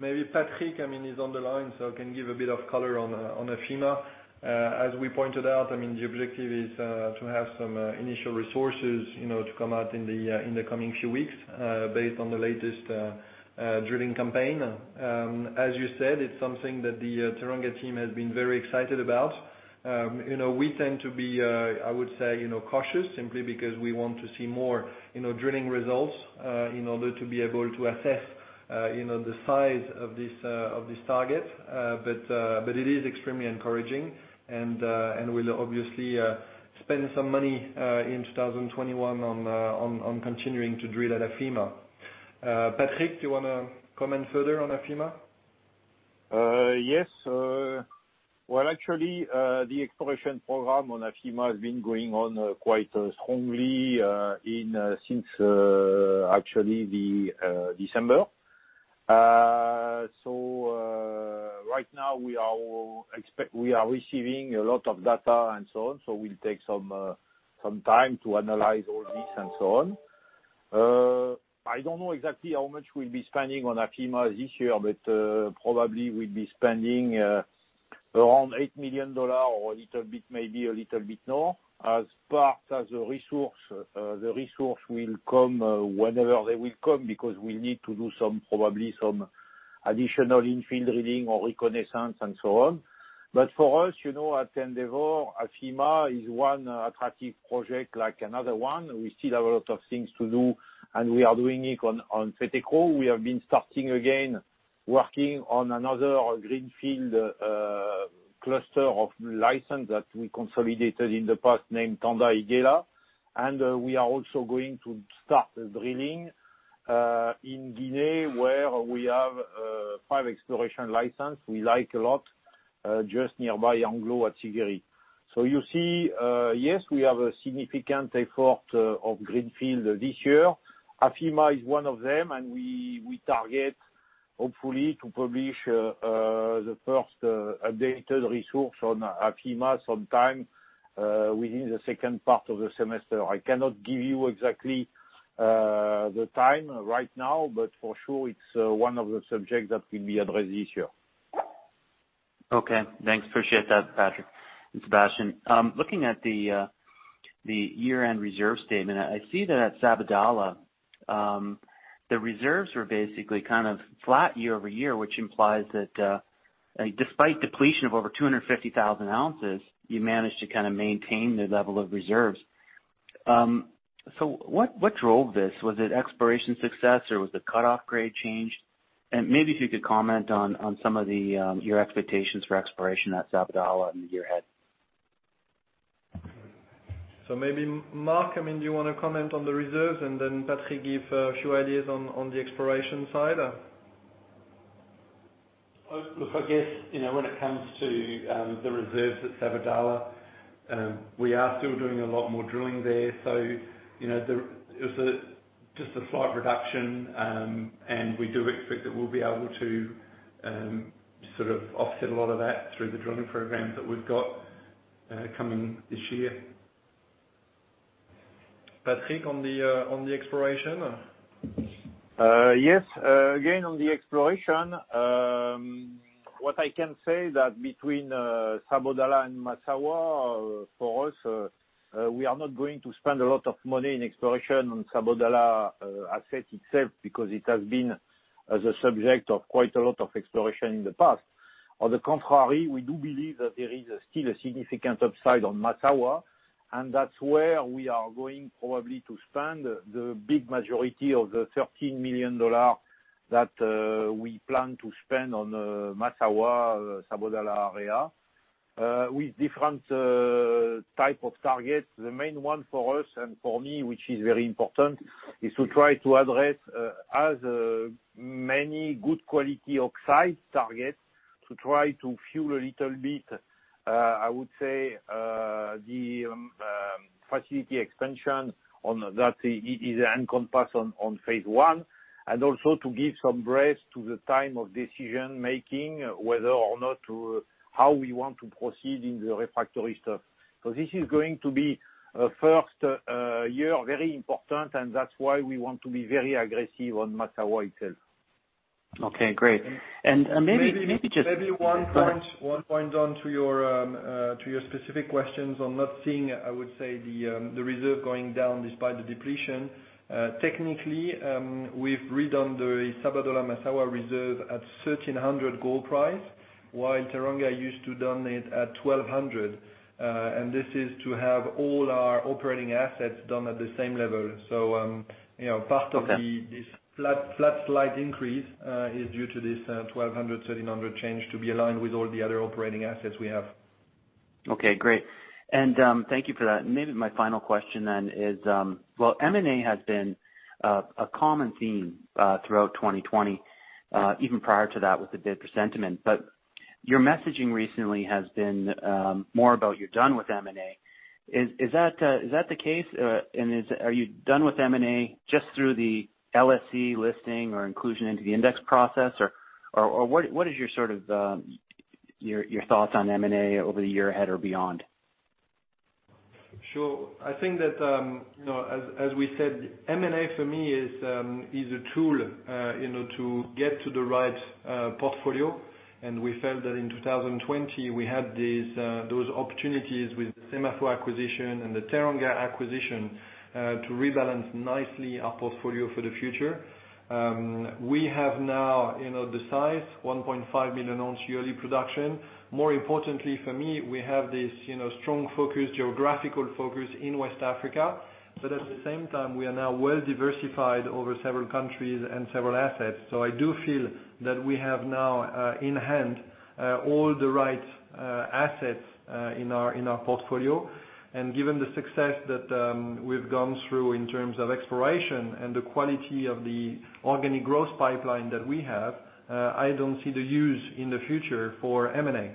Maybe Patrick is on the line, so can give a bit of color on Afema. As we pointed out, the objective is to have some initial resources to come out in the coming few weeks, based on the latest drilling campaign. As you said, it's something that the Teranga team has been very excited about. We tend to be, I would say, cautious simply because we want to see more drilling results in order to be able to assess the size of this target. It is extremely encouraging and we'll obviously spend some money in 2021 on continuing to drill at Afema. Patrick, do you want to comment further on Afema? Well, actually, the exploration program on Afema has been going on quite strongly since actually December. Right now we are receiving a lot of data and so on, we'll take some time to analyze all this and so on. I don't know exactly how much we'll be spending on Afema this year, but probably we'll be spending around $8 million or maybe a little bit more. As part as a resource, the resource will come whenever they will come because we need to do probably some additional infill drilling or reconnaissance and so on. For us at Endeavour, Afema is one attractive project like another one. We still have a lot of things to do, we are doing it on Fetekro. We have been starting again working on another greenfield cluster of license that we consolidated in the past named Tanda-Iguela. We are also going to start drilling in Guinea where we have five exploration license we like a lot, just nearby AngloGold Ashanti. You see, yes, we have a significant effort of greenfield this year. Afema is one of them. We target hopefully to publish the first updated resource on Afema sometime within the second part of the semester. I cannot give you exactly the time right now, for sure it's one of the subjects that will be addressed this year. Okay. Thanks. Appreciate that, Patrick and Sébastien. Looking at the year-end reserve statement, I see that at Sabodala the reserves were basically flat year-over-year, which implies that despite depletion of over 250,000 ounces, you managed to maintain the level of reserves. What drove this? Was it exploration success, or was the cutoff grade changed? Maybe if you could comment on some of your expectations for exploration at Sabodala in the year ahead. Maybe Mark, do you want to comment on the reserves and then Patrick give a few ideas on the exploration side? Look, I guess, when it comes to the reserves at Sabodala, we are still doing a lot more drilling there, so it was just a slight reduction, and we do expect that we'll be able to sort of offset a lot of that through the drilling programs that we've got coming this year. Patrick, on the exploration? Yes. Again, on the exploration, what I can say that between Sabodala and Massawa, for us, we are not going to spend a lot of money in exploration on Sabodala asset itself because it has been as a subject of quite a lot of exploration in the past. On the contrary, we do believe that there is still a significant upside on Massawa. That's where we are going probably to spend the big majority of the $13 million that we plan to spend on Massawa-Sabodala area with different type of targets. The main one for us and for me, which is very important, is to try to address as many good quality oxide targets to try to fuel a little bit, I would say, the facility expansion on that it is encompassed on phase I. Also to give some breath to the time of decision making, whether or not how we want to proceed in the refractory stuff. This is going to be a first year, very important, and that's why we want to be very aggressive on Massawa itself. Okay, great. Maybe one point, Don, to your specific questions on not seeing, I would say, the reserve going down despite the depletion. Technically, we've redone the Sabodala-Massawa reserve at $1,300 gold price, while Teranga used to done it at $1,200. This is to have all our operating assets done at the same level. Okay Part of this flat slight increase is due to this $1,200, $1,300 change to be aligned with all the other operating assets we have. Okay, great. Thank you for that. Maybe my final question is, M&A has been a common theme throughout 2020, even prior to that with the bid for Centamin. Your messaging recently has been more about you're done with M&A. Is that the case? Are you done with M&A just through the LSE listing or inclusion into the index process, or what is your thoughts on M&A over the year ahead or beyond? Sure. I think that, as we said, M&A for me is a tool to get to the right portfolio. We felt that in 2020 we had those opportunities with the SEMAFO acquisition and the Teranga acquisition to rebalance nicely our portfolio for the future. We have now the size, 1.5 million ounce yearly production. More importantly for me, we have this strong geographical focus in West Africa, but at the same time, we are now well diversified over several countries and several assets. I do feel that we have now in hand all the right assets in our portfolio. Given the success that we've gone through in terms of exploration and the quality of the organic growth pipeline that we have, I don't see the use in the future for M&A.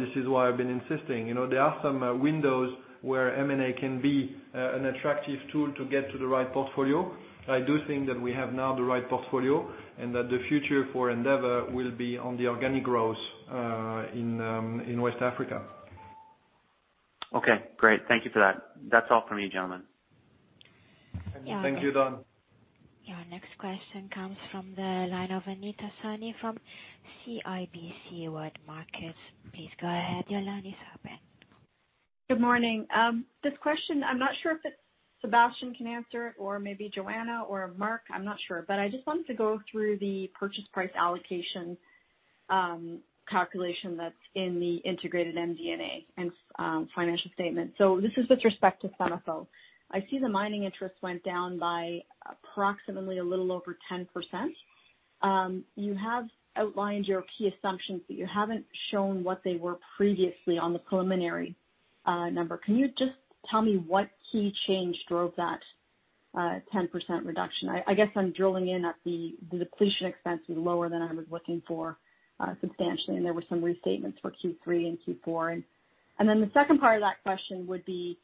This is why I've been insisting. There are some windows where M&A can be an attractive tool to get to the right portfolio. I do think that we have now the right portfolio, and that the future for Endeavour will be on the organic growth in West Africa. Okay, great. Thank you for that. That's all for me, gentlemen. Thank you, Don. Your next question comes from the line of Anita Soni from CIBC World Markets. Please go ahead, your line is open. Good morning. This question, I'm not sure if it's Sébastien can answer it or maybe Joanna or Mark. I'm not sure. I just wanted to go through the purchase price allocation calculation that's in the integrated MD&A and financial statement. This is with respect to SEMAFO. I see the mining interest went down by approximately a little over 10%. You have outlined your key assumptions, but you haven't shown what they were previously on the preliminary number. Can you just tell me what key change drove that 10% reduction? I guess I'm drilling in at the depletion expense was lower than I was looking for substantially, and there were some restatements for Q3 and Q4. The second part of that question would be,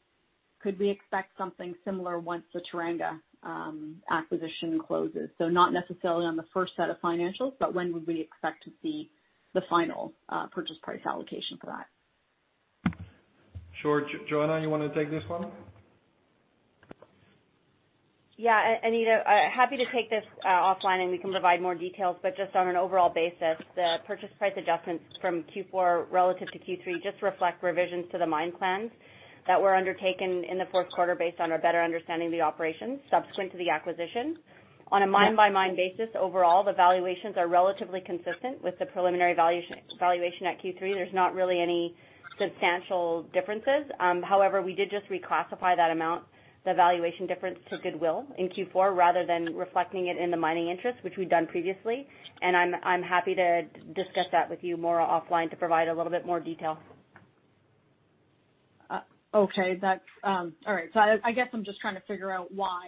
could we expect something similar once the Teranga acquisition closes? Not necessarily on the first set of financials, but when would we expect to see the final purchase price allocation for that? Sure. Joanna, you want to take this one? Yeah. Anita, happy to take this offline, and we can provide more details. Just on an overall basis, the purchase price adjustments from Q4 relative to Q3 just reflect revisions to the mine plans that were undertaken in the fourth quarter based on our better understanding of the operations subsequent to the acquisition. On a mine-by-mine basis, overall, the valuations are relatively consistent with the preliminary valuation at Q3. There's not really any substantial differences. However, we did just reclassify that amount, the valuation difference to goodwill in Q4, rather than reflecting it in the mining interest, which we'd done previously. I'm happy to discuss that with you more offline to provide a little bit more detail. Okay. All right. I guess I’m just trying to figure out why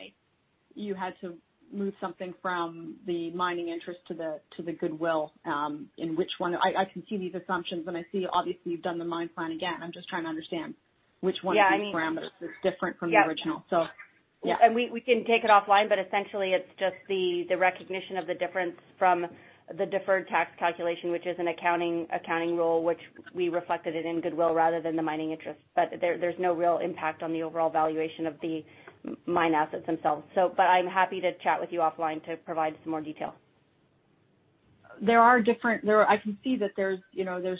you had to move something from the mining interest to the goodwill, in which one. I can see these assumptions, and I see obviously you’ve done the mine plan again. I’m just trying to understand which one of these parameters is different from the original. Yeah. We can take it offline, but essentially, it's just the recognition of the difference from the deferred tax calculation, which is an accounting rule, which we reflected it in goodwill rather than the mining interest. There's no real impact on the overall valuation of the mine assets themselves. I'm happy to chat with you offline to provide some more detail. I can see that there's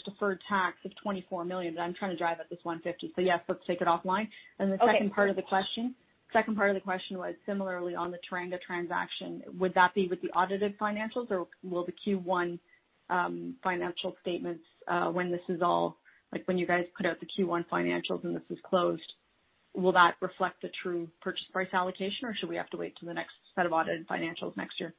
deferred tax of $24 million, but I'm trying to drive at this $150. Yes, let's take it offline. Okay. The second part of the question was similarly on the Teranga transaction, would that be with the audited financials, or will the Q1 financial statements, when you guys put out the Q1 financials and this is closed, will that reflect the true purchase price allocation, or should we have to wait till the next set of audited financials next year?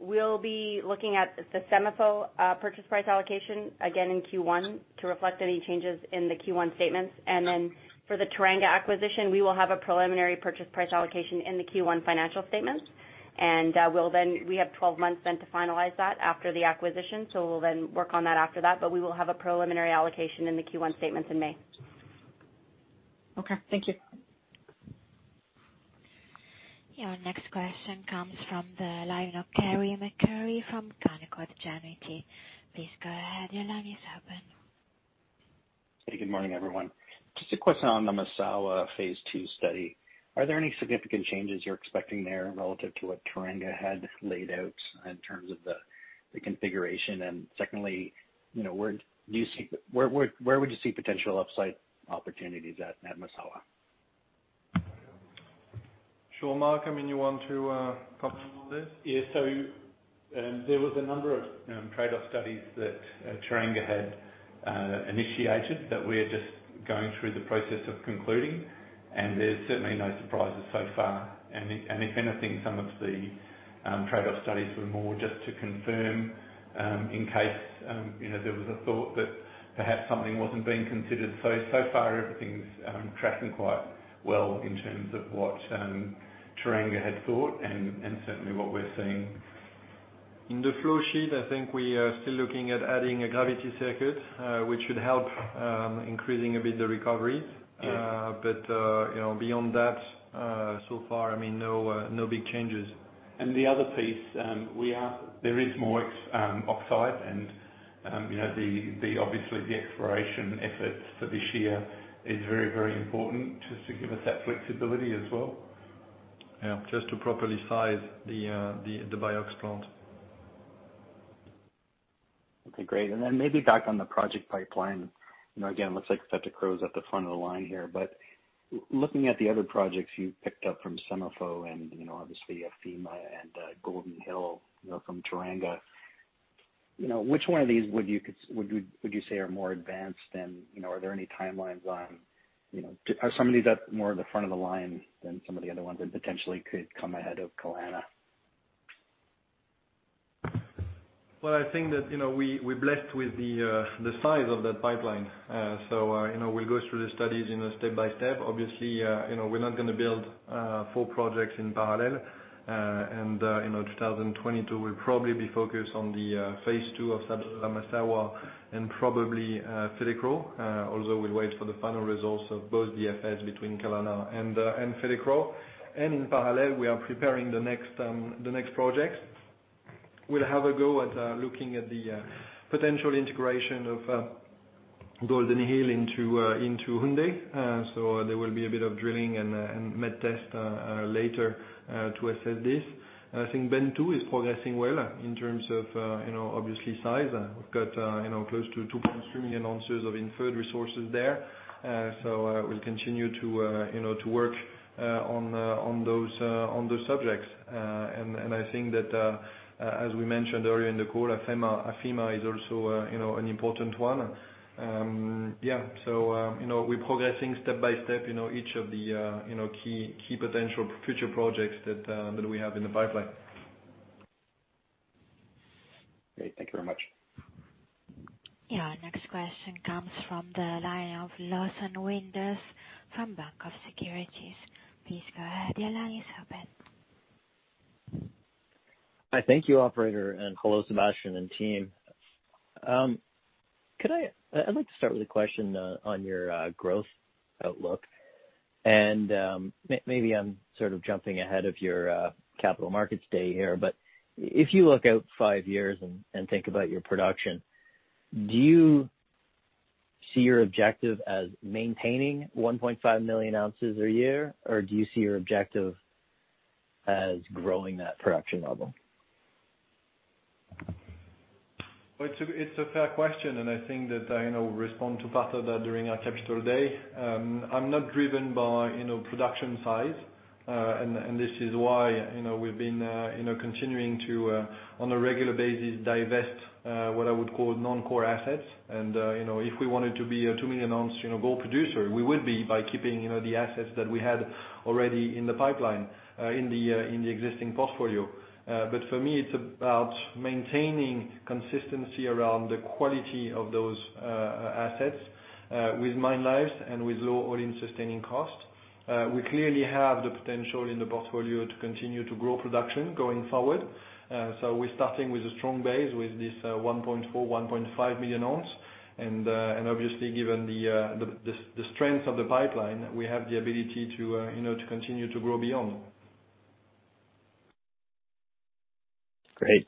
We'll be looking at the SEMAFO purchase price allocation again in Q1 to reflect any changes in the Q1 statements. Then for the Teranga acquisition, we will have a preliminary purchase price allocation in the Q1 financial statements. We have 12 months then to finalize that after the acquisition. We'll then work on that after that, but we will have a preliminary allocation in the Q1 statements in May. Okay. Thank you. Your next question comes from the line of Carey MacRury from Canaccord Genuity. Please go ahead, your line is open. Hey, good morning, everyone. Just a question on the Massawa phase II study. Are there any significant changes you're expecting there relative to what Teranga had laid out in terms of the configuration? Secondly, where would you see potential upside opportunities at Massawa? So, Mark, you want to comment on this? Yeah. There was a number of trade-off studies that Teranga had initiated that we're just going through the process of concluding, and there's certainly no surprises so far. If anything, some of the trade-off studies were more just to confirm, in case there was a thought that perhaps something wasn't being considered. So far everything's tracking quite well in terms of what Teranga had thought and certainly what we're seeing. In the flow sheet, I think we are still looking at adding a gravity circuit, which should help increasing a bit the recovery. Yeah. Beyond that, so far no big changes. The other piece, there is more oxide and obviously the exploration efforts for this year is very important just to give us that flexibility as well. Yeah. Just to properly size the BIOX plant. Okay, great. Maybe back on the project pipeline. Again, looks like Fetekro is at the front of the line here, but looking at the other projects you've picked up from SEMAFO and obviously Afema and Golden Hill from Teranga, which one of these would you say are more advanced and are there any timelines on, are some of these at more the front of the line than some of the other ones that potentially could come ahead of Kalana? Well, I think that we're blessed with the size of that pipeline. We'll go through the studies step by step. Obviously, we're not going to build four projects in parallel. 2022 will probably be focused on the phase II of Massawa and probably Fetekro. Although we'll wait for the final results of both the FS between Kalana and Fetekro. In parallel, we are preparing the next projects. We'll have a go at looking at the potential integration of Golden Hill into Houndé. There will be a bit of drilling and met test later to assess this. I think Bantou is progressing well in terms of obviously size. We've got close to 2.3 million ounces of inferred resources there. We'll continue to work on those subjects. I think that, as we mentioned earlier in the call, Afema is also an important one. Yeah. We're progressing step by step each of the key potential future projects that we have in the pipeline. Great. Thank you very much. Yeah. Next question comes from the line of Lawson Winder from BofA Securities. Please go ahead. Your line is open. Hi. Thank you operator, and hello Sébastien and team. I'd like to start with a question on your growth outlook and maybe I'm sort of jumping ahead of your capital markets day here, but if you look out five years and think about your production, do you see your objective as maintaining 1.5 million ounces a year, or do you see your objective as growing that production level? Well, it's a fair question and I think that I will respond to part of that during our Capital Day. I'm not driven by production size, and this is why we've been continuing to, on a regular basis, divest what I would call non-core assets. If we wanted to be a 2 million ounce gold producer, we would be by keeping the assets that we had already in the pipeline in the existing portfolio. For me, it's about maintaining consistency around the quality of those assets with mine lives and with low all-in sustaining costs. We clearly have the potential in the portfolio to continue to grow production going forward. We're starting with a strong base with this 1.4 million-1.5 million ounce and, obviously given the strength of the pipeline, we have the ability to continue to grow beyond. Great.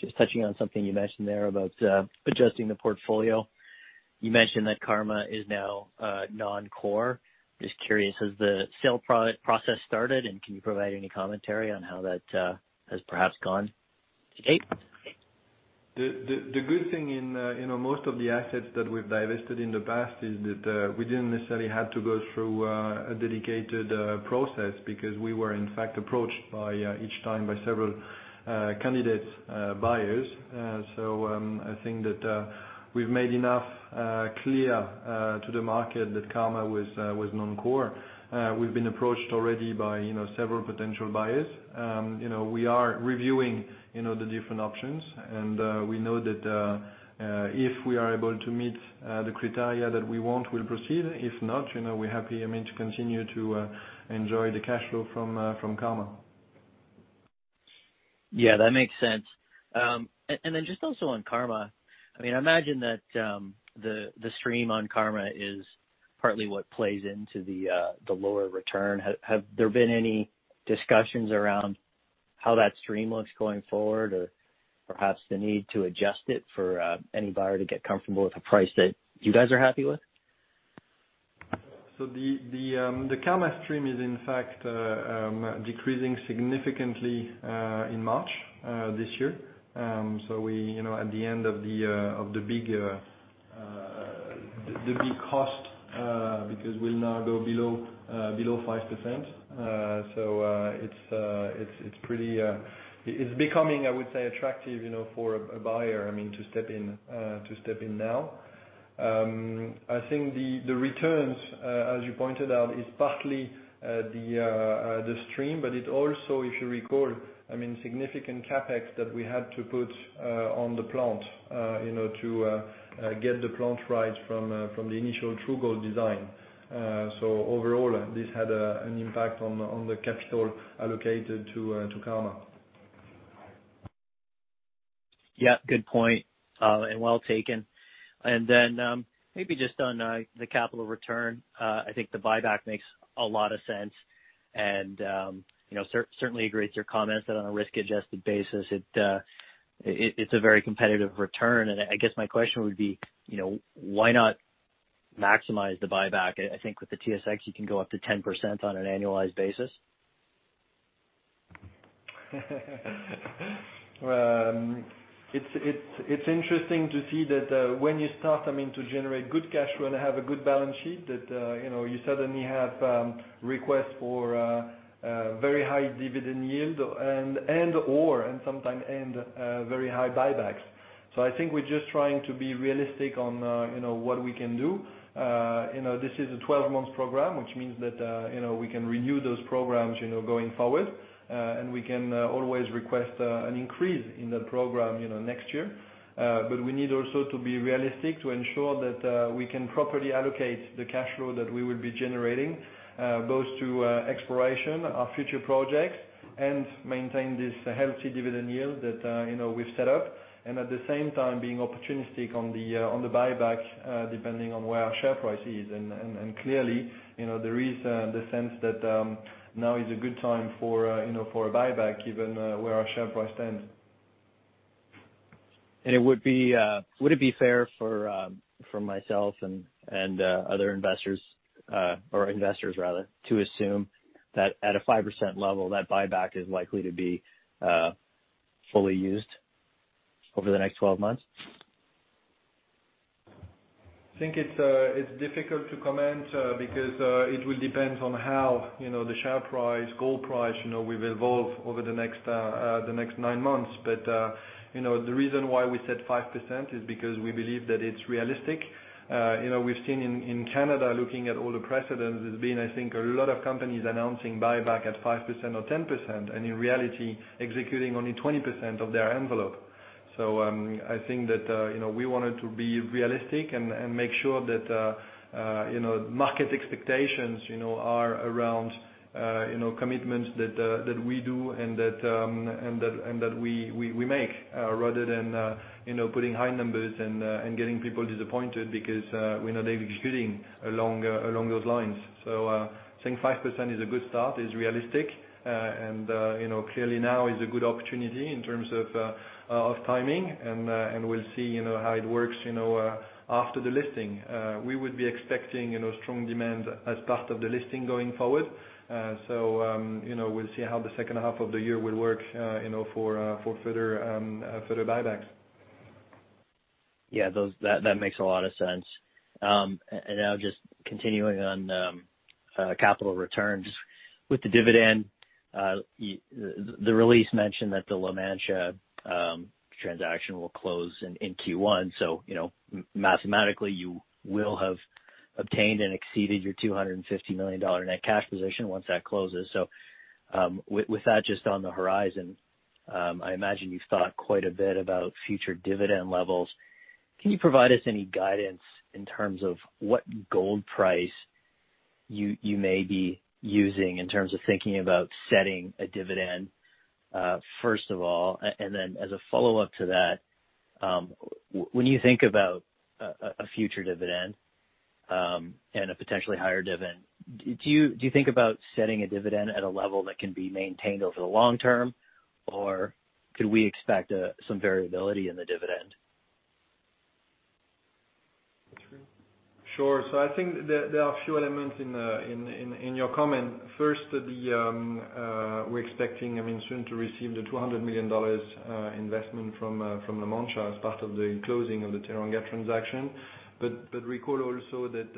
Just touching on something you mentioned there about adjusting the portfolio. You mentioned that Karma is now non-core. Just curious, has the sale process started, and can you provide any commentary on how that has perhaps gone to-date? The good thing in most of the assets that we've divested in the past is that we didn't necessarily have to go through a dedicated process because we were in fact approached by, each time, by several candidate buyers. I think that we've made enough clear to the market that Karma was non-core. We've been approached already by several potential buyers. We are reviewing the different options and we know that if we are able to meet the criteria that we want, we'll proceed. If not, we're happy to continue to enjoy the cash flow from Karma. Yeah, that makes sense. Then just also on Karma, I imagine that the stream on Karma is partly what plays into the lower return. Have there been any discussions How that stream looks going forward, or perhaps the need to adjust it for any buyer to get comfortable with a price that you guys are happy with? The Karma stream is in fact decreasing significantly in March this year. At the end of the big cost, because we'll now go below 5%. It's becoming, I would say, attractive for a buyer to step in now. I think the returns, as you pointed out, is partly the stream, but it also, if you recall, significant CapEx that we had to put on the plant to get the plant right from the initial True Gold design. Overall, this had an impact on the capital allocated to Karma. Yeah, good point, and well taken. Maybe just on the capital return, I think the buyback makes a lot of sense and certainly agree with your comments that on a risk-adjusted basis, it's a very competitive return. I guess my question would be, why not maximize the buyback? I think with the TSX, you can go up to 10% on an annualized basis. It's interesting to see that when you start to generate good cash flow and have a good balance sheet, that you suddenly have requests for very high dividend yield and/or, and sometime and very high buybacks. I think we're just trying to be realistic on what we can do. This is a 12-month program, which means that we can renew those programs going forward. We can always request an increase in the program next year. We need also to be realistic to ensure that we can properly allocate the cash flow that we will be generating, both to exploration, our future projects, and maintain this healthy dividend yield that we've set up. At the same time, being opportunistic on the buyback, depending on where our share price is. Clearly, there is the sense that now is a good time for a buyback, given where our share price stands. Would it be fair for myself and other investors, or investors rather, to assume that at a 5% level, that buyback is likely to be fully used over the next 12 months? I think it's difficult to comment because it will depend on how the share price, gold price, will evolve over the next 9 months. The reason why we said 5% is because we believe that it's realistic. We've seen in Canada, looking at all the precedents, there's been, I think, a lot of companies announcing buyback at 5% or 10%, and in reality, executing only 20% of their envelope. I think that we wanted to be realistic and make sure that market expectations are around commitments that we do and that we make, rather than putting high numbers and getting people disappointed because we're not executing along those lines. I think 5% is a good start, is realistic. Clearly now is a good opportunity in terms of timing and we'll see how it works after the listing. We would be expecting strong demand as part of the listing going forward. We'll see how the second half of the year will work for further buybacks. Yeah, that makes a lot of sense. Now just continuing on capital returns with the dividend. The release mentioned that the La Mancha transaction will close in Q1. Mathematically, you will have obtained and exceeded your $250 million net cash position once that closes. With that just on the horizon, I imagine you've thought quite a bit about future dividend levels. Can you provide us any guidance in terms of what gold price you may be using in terms of thinking about setting a dividend, first of all? Then as a follow-up to that, when you think about a future dividend and a potentially higher dividend, do you think about setting a dividend at a level that can be maintained over the long term, or could we expect some variability in the dividend? Sure. I think there are a few elements in your comment, first, we're expecting soon to receive the $200 million investment from La Mancha as part of the closing of the Teranga transaction. Recall also that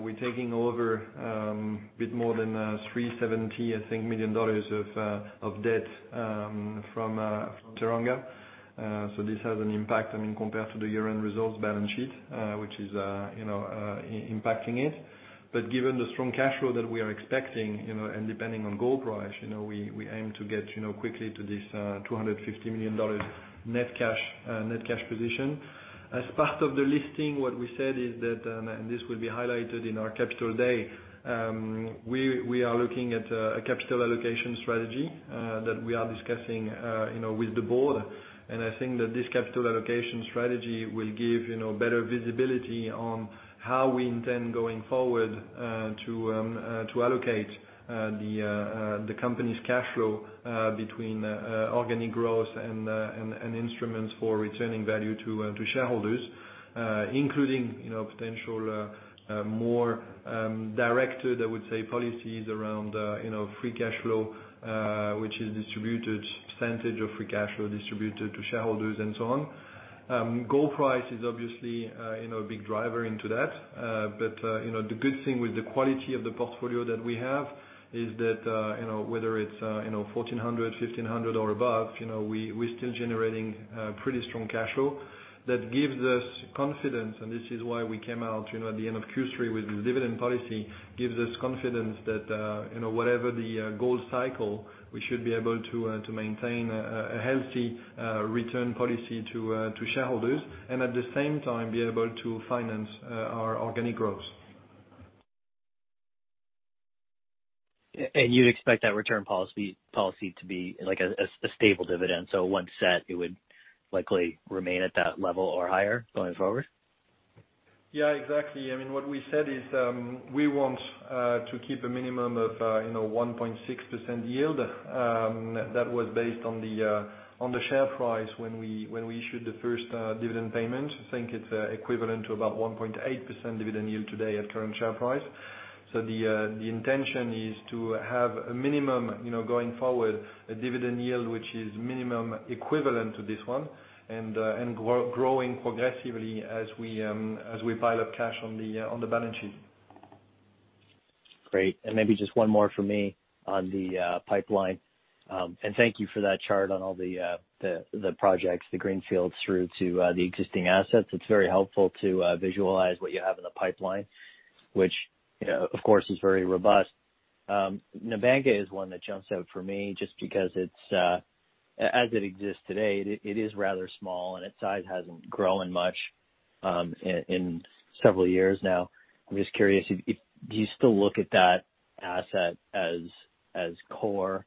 we're taking over a bit more than $370 million of debt from Teranga. This has an impact compared to the year-end results balance sheet, which is impacting it. Given the strong cash flow that we are expecting, and depending on gold price, we aim to get quickly to this $250 million net cash position. As part of the listing, what we said is that, and this will be highlighted in our capital day, we are looking at a capital allocation strategy that we are discussing with the board. I think that this capital allocation strategy will give better visibility on how we intend going forward to allocate the company's cash flow between organic growth and instruments for returning value to shareholders, including potential more directed, I would say, policies around free cash flow which is distributed, percentage of free cash flow distributed to shareholders and so on. Gold price is obviously a big driver into that. The good thing with the quality of the portfolio that we have is that whether it's 1,400, 1,500 or above, we're still generating pretty strong cash flow that gives us confidence, and this is why we came out at the end of Q3 with this dividend policy. Gives us confidence that whatever the gold cycle, we should be able to maintain a healthy return policy to shareholders and at the same time be able to finance our organic growth. You'd expect that return policy to be like a stable dividend. Once set, it would likely remain at that level or higher going forward? Yeah, exactly. What we said is we want to keep a minimum of 1.6% yield. That was based on the share price when we issued the first dividend payment. I think it's equivalent to about 1.8% dividend yield today at current share price. The intention is to have a minimum going forward, a dividend yield which is minimum equivalent to this one and growing progressively as we pile up cash on the balance sheet. Great. Maybe just one more from me on the pipeline. Thank you for that chart on all the projects, the greenfields through to the existing assets. It's very helpful to visualize what you have in the pipeline, which of course is very robust. Nabanga is one that jumps out for me just because as it exists today, it is rather small and its size hasn't grown much in several years now. I'm just curious, do you still look at that asset as core?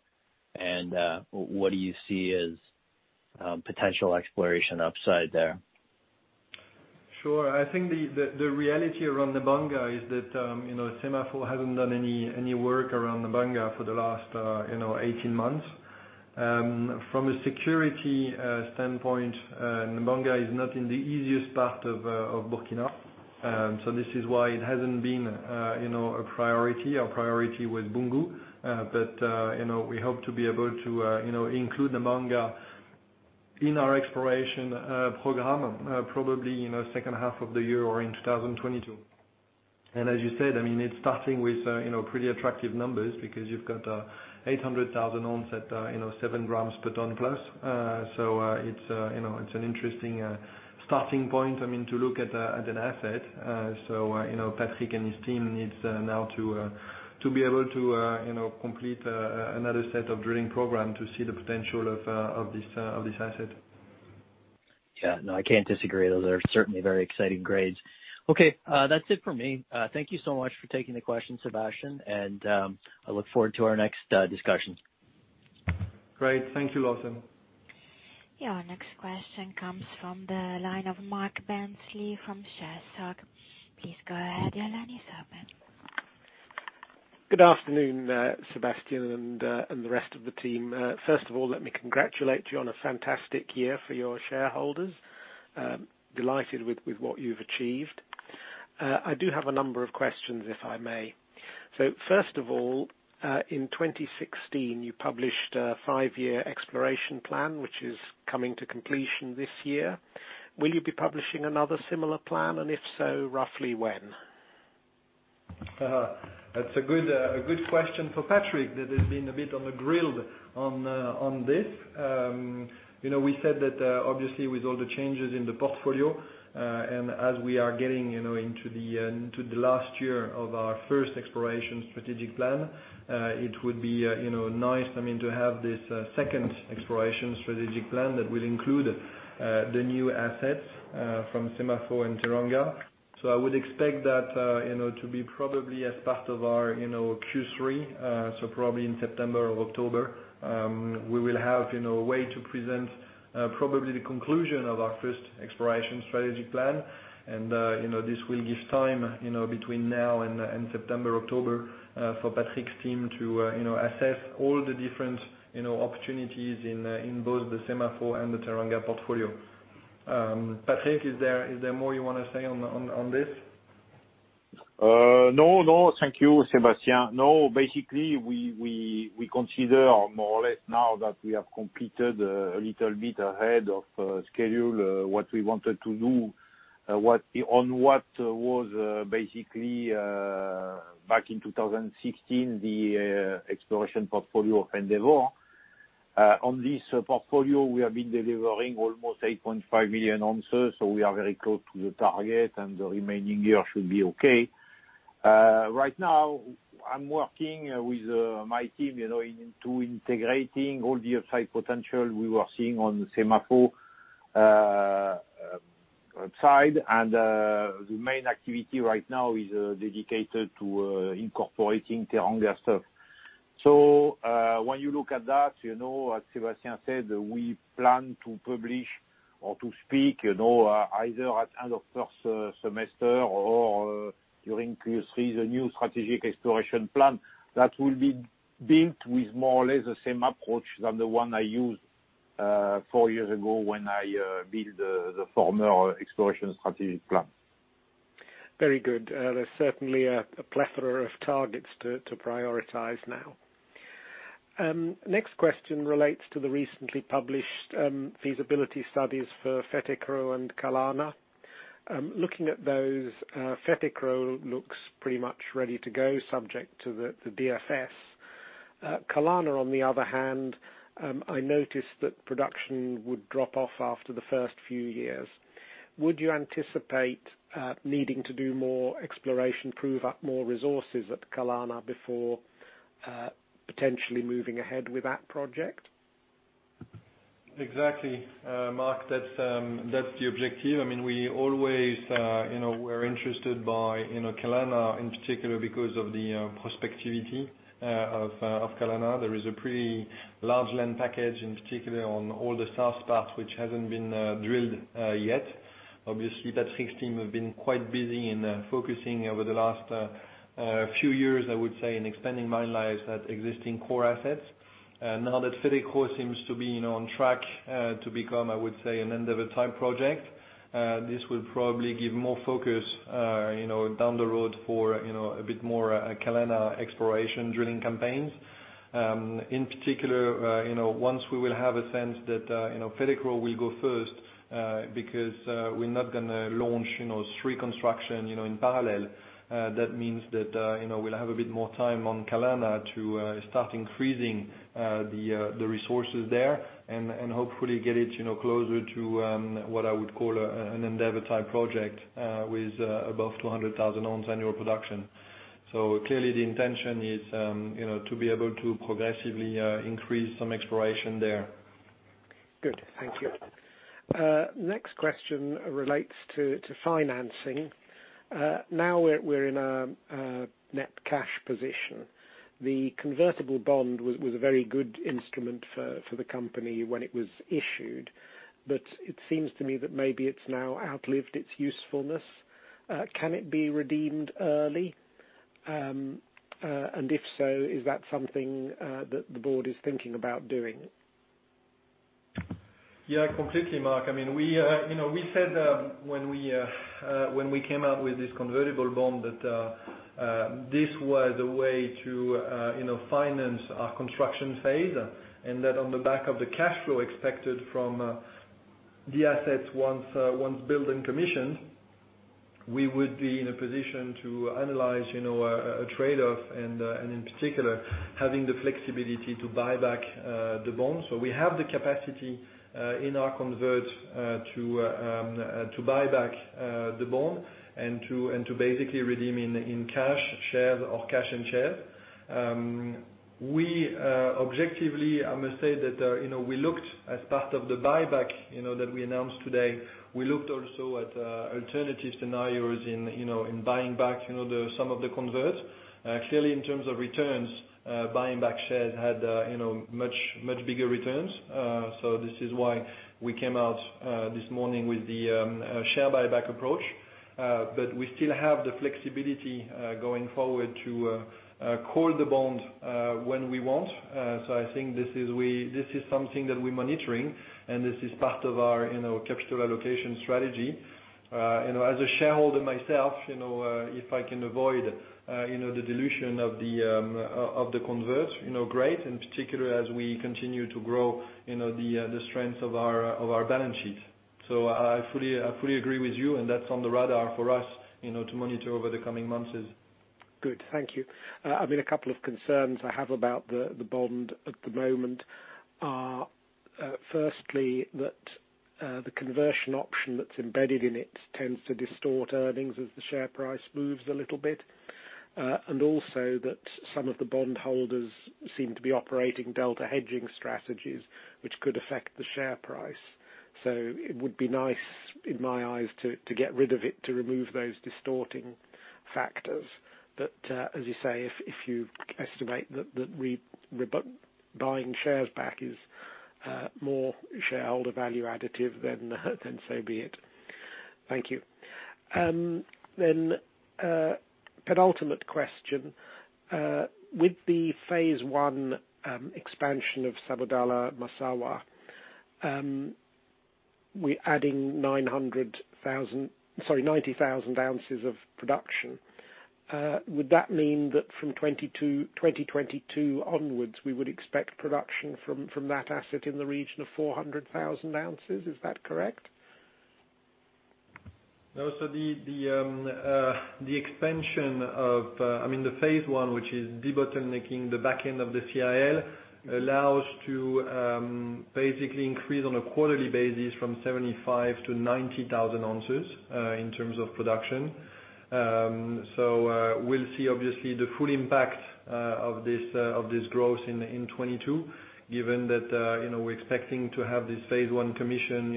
What do you see as potential exploration upside there? Sure. I think the reality around Nabanga is that SEMAFO hasn't done any work around Nabanga for the last 18 months. From a security standpoint, Nabanga is not in the easiest part of Burkina, this is why it hasn't been a priority. Our priority was Boungou. We hope to be able to include Nabanga in our exploration program, probably second half of the year or in 2022. As you said, it's starting with pretty attractive numbers because you've got 800,000 ounce at 7 grams per ton plus. It's an interesting starting point to look at an asset. Patrick and his team needs now to be able to complete another set of drilling program to see the potential of this asset. Yeah. No, I can't disagree. Those are certainly very exciting grades. Okay, that's it for me. Thank you so much for taking the question, Sébastien, and I look forward to our next discussions. Great. Thank you, Lawson. Your next question comes from the line of Mark Bentley from ShareSoc. Please go ahead. Your line is open. Good afternoon, Sébastien and the rest of the team. First of all, let me congratulate you on a fantastic year for your shareholders. Delighted with what you've achieved. I do have a number of questions, if I may. First of all, in 2016, you published a five-year exploration plan, which is coming to completion this year. Will you be publishing another similar plan, and if so, roughly when? That's a good question for Patrick that has been a bit on the grill on this. We said that obviously with all the changes in the portfolio, as we are getting into the last year of our first exploration strategic plan, it would be nice to have this second exploration strategic plan that will include the new assets from SEMAFO and Teranga. I would expect that to be probably as part of our Q3, probably in September or October, we will have a way to present probably the conclusion of our first exploration strategy plan. This will give time between now and September, October for Patrick's team to assess all the different opportunities in both the SEMAFO and the Teranga portfolio. Patrick, is there more you want to say on this? No, thank you, Sébastien. No, basically, we consider more or less now that we have completed a little bit ahead of schedule what we wanted to do on what was basically, back in 2016, the exploration portfolio of Endeavour. On this portfolio, we have been delivering almost 8.5 million ounces, so we are very close to the target, and the remaining year should be okay. Right now, I'm working with my team into integrating all the upside potential we were seeing on SEMAFO side. The main activity right now is dedicated to incorporating Teranga stuff. When you look at that, as Sébastien said, we plan to publish or to speak either at end of first semester or during Q3, the new strategic exploration plan that will be built with more or less the same approach than the one I used four years ago when I build the former exploration strategic plan. Very good. There's certainly a plethora of targets to prioritize now. Next question relates to the recently published feasibility studies for Fetekro and Kalana. Looking at those, Fetekro looks pretty much ready to go, subject to the DFS. Kalana, on the other hand, I noticed that production would drop off after the first few years. Would you anticipate needing to do more exploration, prove up more resources at Kalana before potentially moving ahead with that project? Exactly. Mark, that's the objective. We always were interested by Kalana in particular because of the prospectivity of Kalana. There is a pretty large land package, in particular on all the south part, which hasn't been drilled yet. Obviously, Patrick's team have been quite busy in focusing over the last few years, I would say, in expanding mine lives at existing core assets. Now that Fetekro seems to be on track to become, I would say, an Endeavour-type project, this will probably give more focus down the road for a bit more Kalana exploration drilling campaigns. In particular, once we will have a sense that Fetekro will go first because we're not going to launch three construction in parallel. That means that we'll have a bit more time on Kalana to start increasing the resources there and hopefully get it closer to what I would call an Endeavour-type project with above 200,000 ounce annual production. Clearly the intention is to be able to progressively increase some exploration there. Good. Thank you. Next question relates to financing. Now we're in a net cash position. The convertible bond was a very good instrument for the company when it was issued, but it seems to me that maybe it's now outlived its usefulness. Can it be redeemed early? If so, is that something that the board is thinking about doing? Yeah, completely, Mark. We said when we came out with this convertible bond that this was a way to finance our construction phase, and that on the back of the cash flow expected from the assets once built and commissioned, we would be in a position to analyze a trade-off and in particular, having the flexibility to buy back the bond. We have the capacity in our convert to buy back the bond and to basically redeem in cash, shares, or cash and shares. We objectively, I must say that we looked as part of the buyback that we announced today. We looked also at alternative scenarios in buying back some of the convert. Clearly, in terms of returns, buying back shares had much bigger returns. This is why we came out this morning with the share buyback approach. We still have the flexibility going forward to call the bond when we want. I think this is something that we're monitoring, and this is part of our capital allocation strategy. As a shareholder myself, if I can avoid the dilution of the convert, great, in particular as we continue to grow the strength of our balance sheet. I fully agree with you, and that's on the radar for us to monitor over the coming months. Good. Thank you. A couple of concerns I have about the bond at the moment are firstly, that the conversion option that's embedded in it tends to distort earnings as the share price moves a little bit. Also that some of the bond holders seem to be operating delta hedging strategies which could affect the share price. It would be nice, in my eyes, to get rid of it, to remove those distorting factors. As you say, if you estimate that buying shares back is more shareholder value additive, then so be it. Thank you. Penultimate question. With the phase I expansion of Sabodala-Massawa, we're adding 90,000 ounces of production. Would that mean that from 2022 onwards, we would expect production from that asset in the region of 400,000 ounces? Is that correct? No. The phase I, which is debottlenecking the back end of the CIL, allows to basically increase on a quarterly basis from 75,000-90,000 ounces, in terms of production. We'll see, obviously, the full impact of this growth in 2022, given that we're expecting to have this phase I commission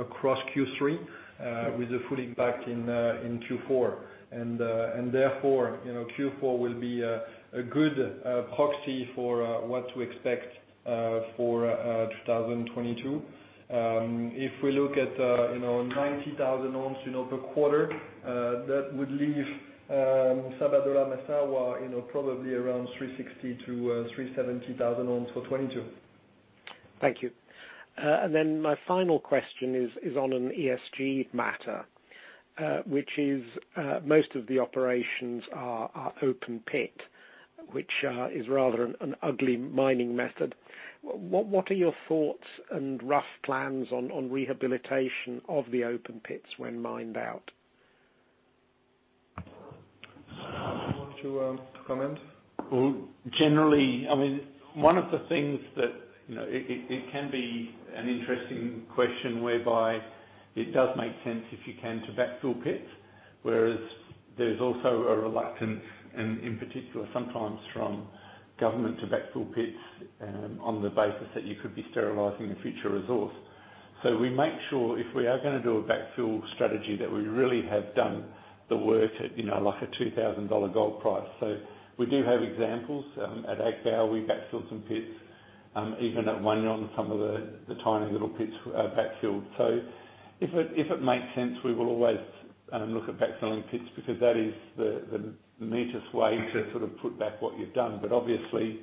across Q3 with the full impact in Q4. Therefore, Q4 will be a good proxy for what to expect for 2022. If we look at 90,000 ounces per quarter, that would leave Sabodala-Massawa probably around 360,000-370,000 ounces for 2022. Thank you. My final question is on an ESG matter, which is, most of the operations are open pit, which is rather an ugly mining method. What are your thoughts and rough plans on rehabilitation of the open pits when mined out? Do you want to comment? One of the things that it can be an interesting question whereby it does make sense if you can, to backfill pits, whereas there's also a reluctance, and in particular, sometimes from government to backfill pits, on the basis that you could be sterilizing a future resource. We make sure if we are going to do a backfill strategy, that we really have done the work at a $2,000 gold price. We do have examples. At Agbaou, we backfilled some pits, even at Boungou some of the tiny little pits are backfilled. If it makes sense, we will always look at backfilling pits, because that is the neatest way to sort of put back what you've done. Obviously,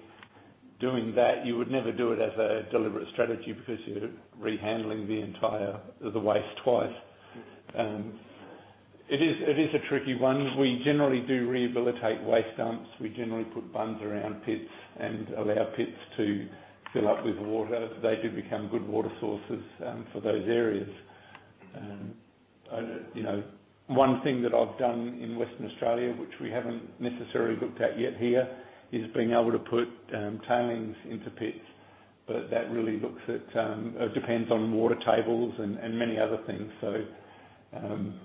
doing that, you would never do it as a deliberate strategy because you're rehandling the entire waste twice. It is a tricky one. We generally do rehabilitate waste dumps. We generally put bunds around pits and allow pits to fill up with water. They do become good water sources for those areas. One thing that I've done in Western Australia, which we haven't necessarily looked at yet here, is being able to put tailings into pits. That really depends on water tables and many other things.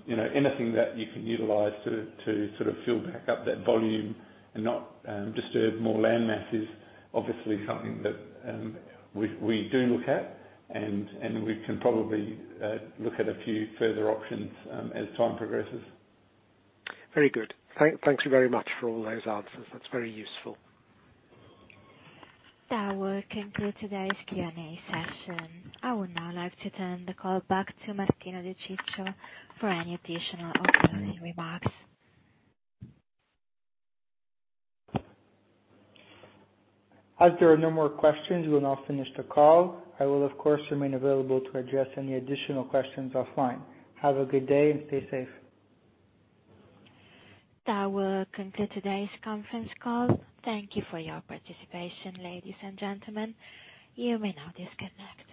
Anything that you can utilize to sort of fill back up that volume and not disturb more land mass is obviously something that we do look at, and we can probably look at a few further options as time progresses. Very good. Thank you very much for all those answers. That's very useful. That will conclude today's Q&A session. I would now like to turn the call back to Martino De Ciccio for any additional or closing remarks. As there are no more questions, we'll now finish the call. I will, of course, remain available to address any additional questions offline. Have a good day and stay safe. That will conclude today's conference call. Thank you for your participation, ladies and gentlemen. You may now disconnect.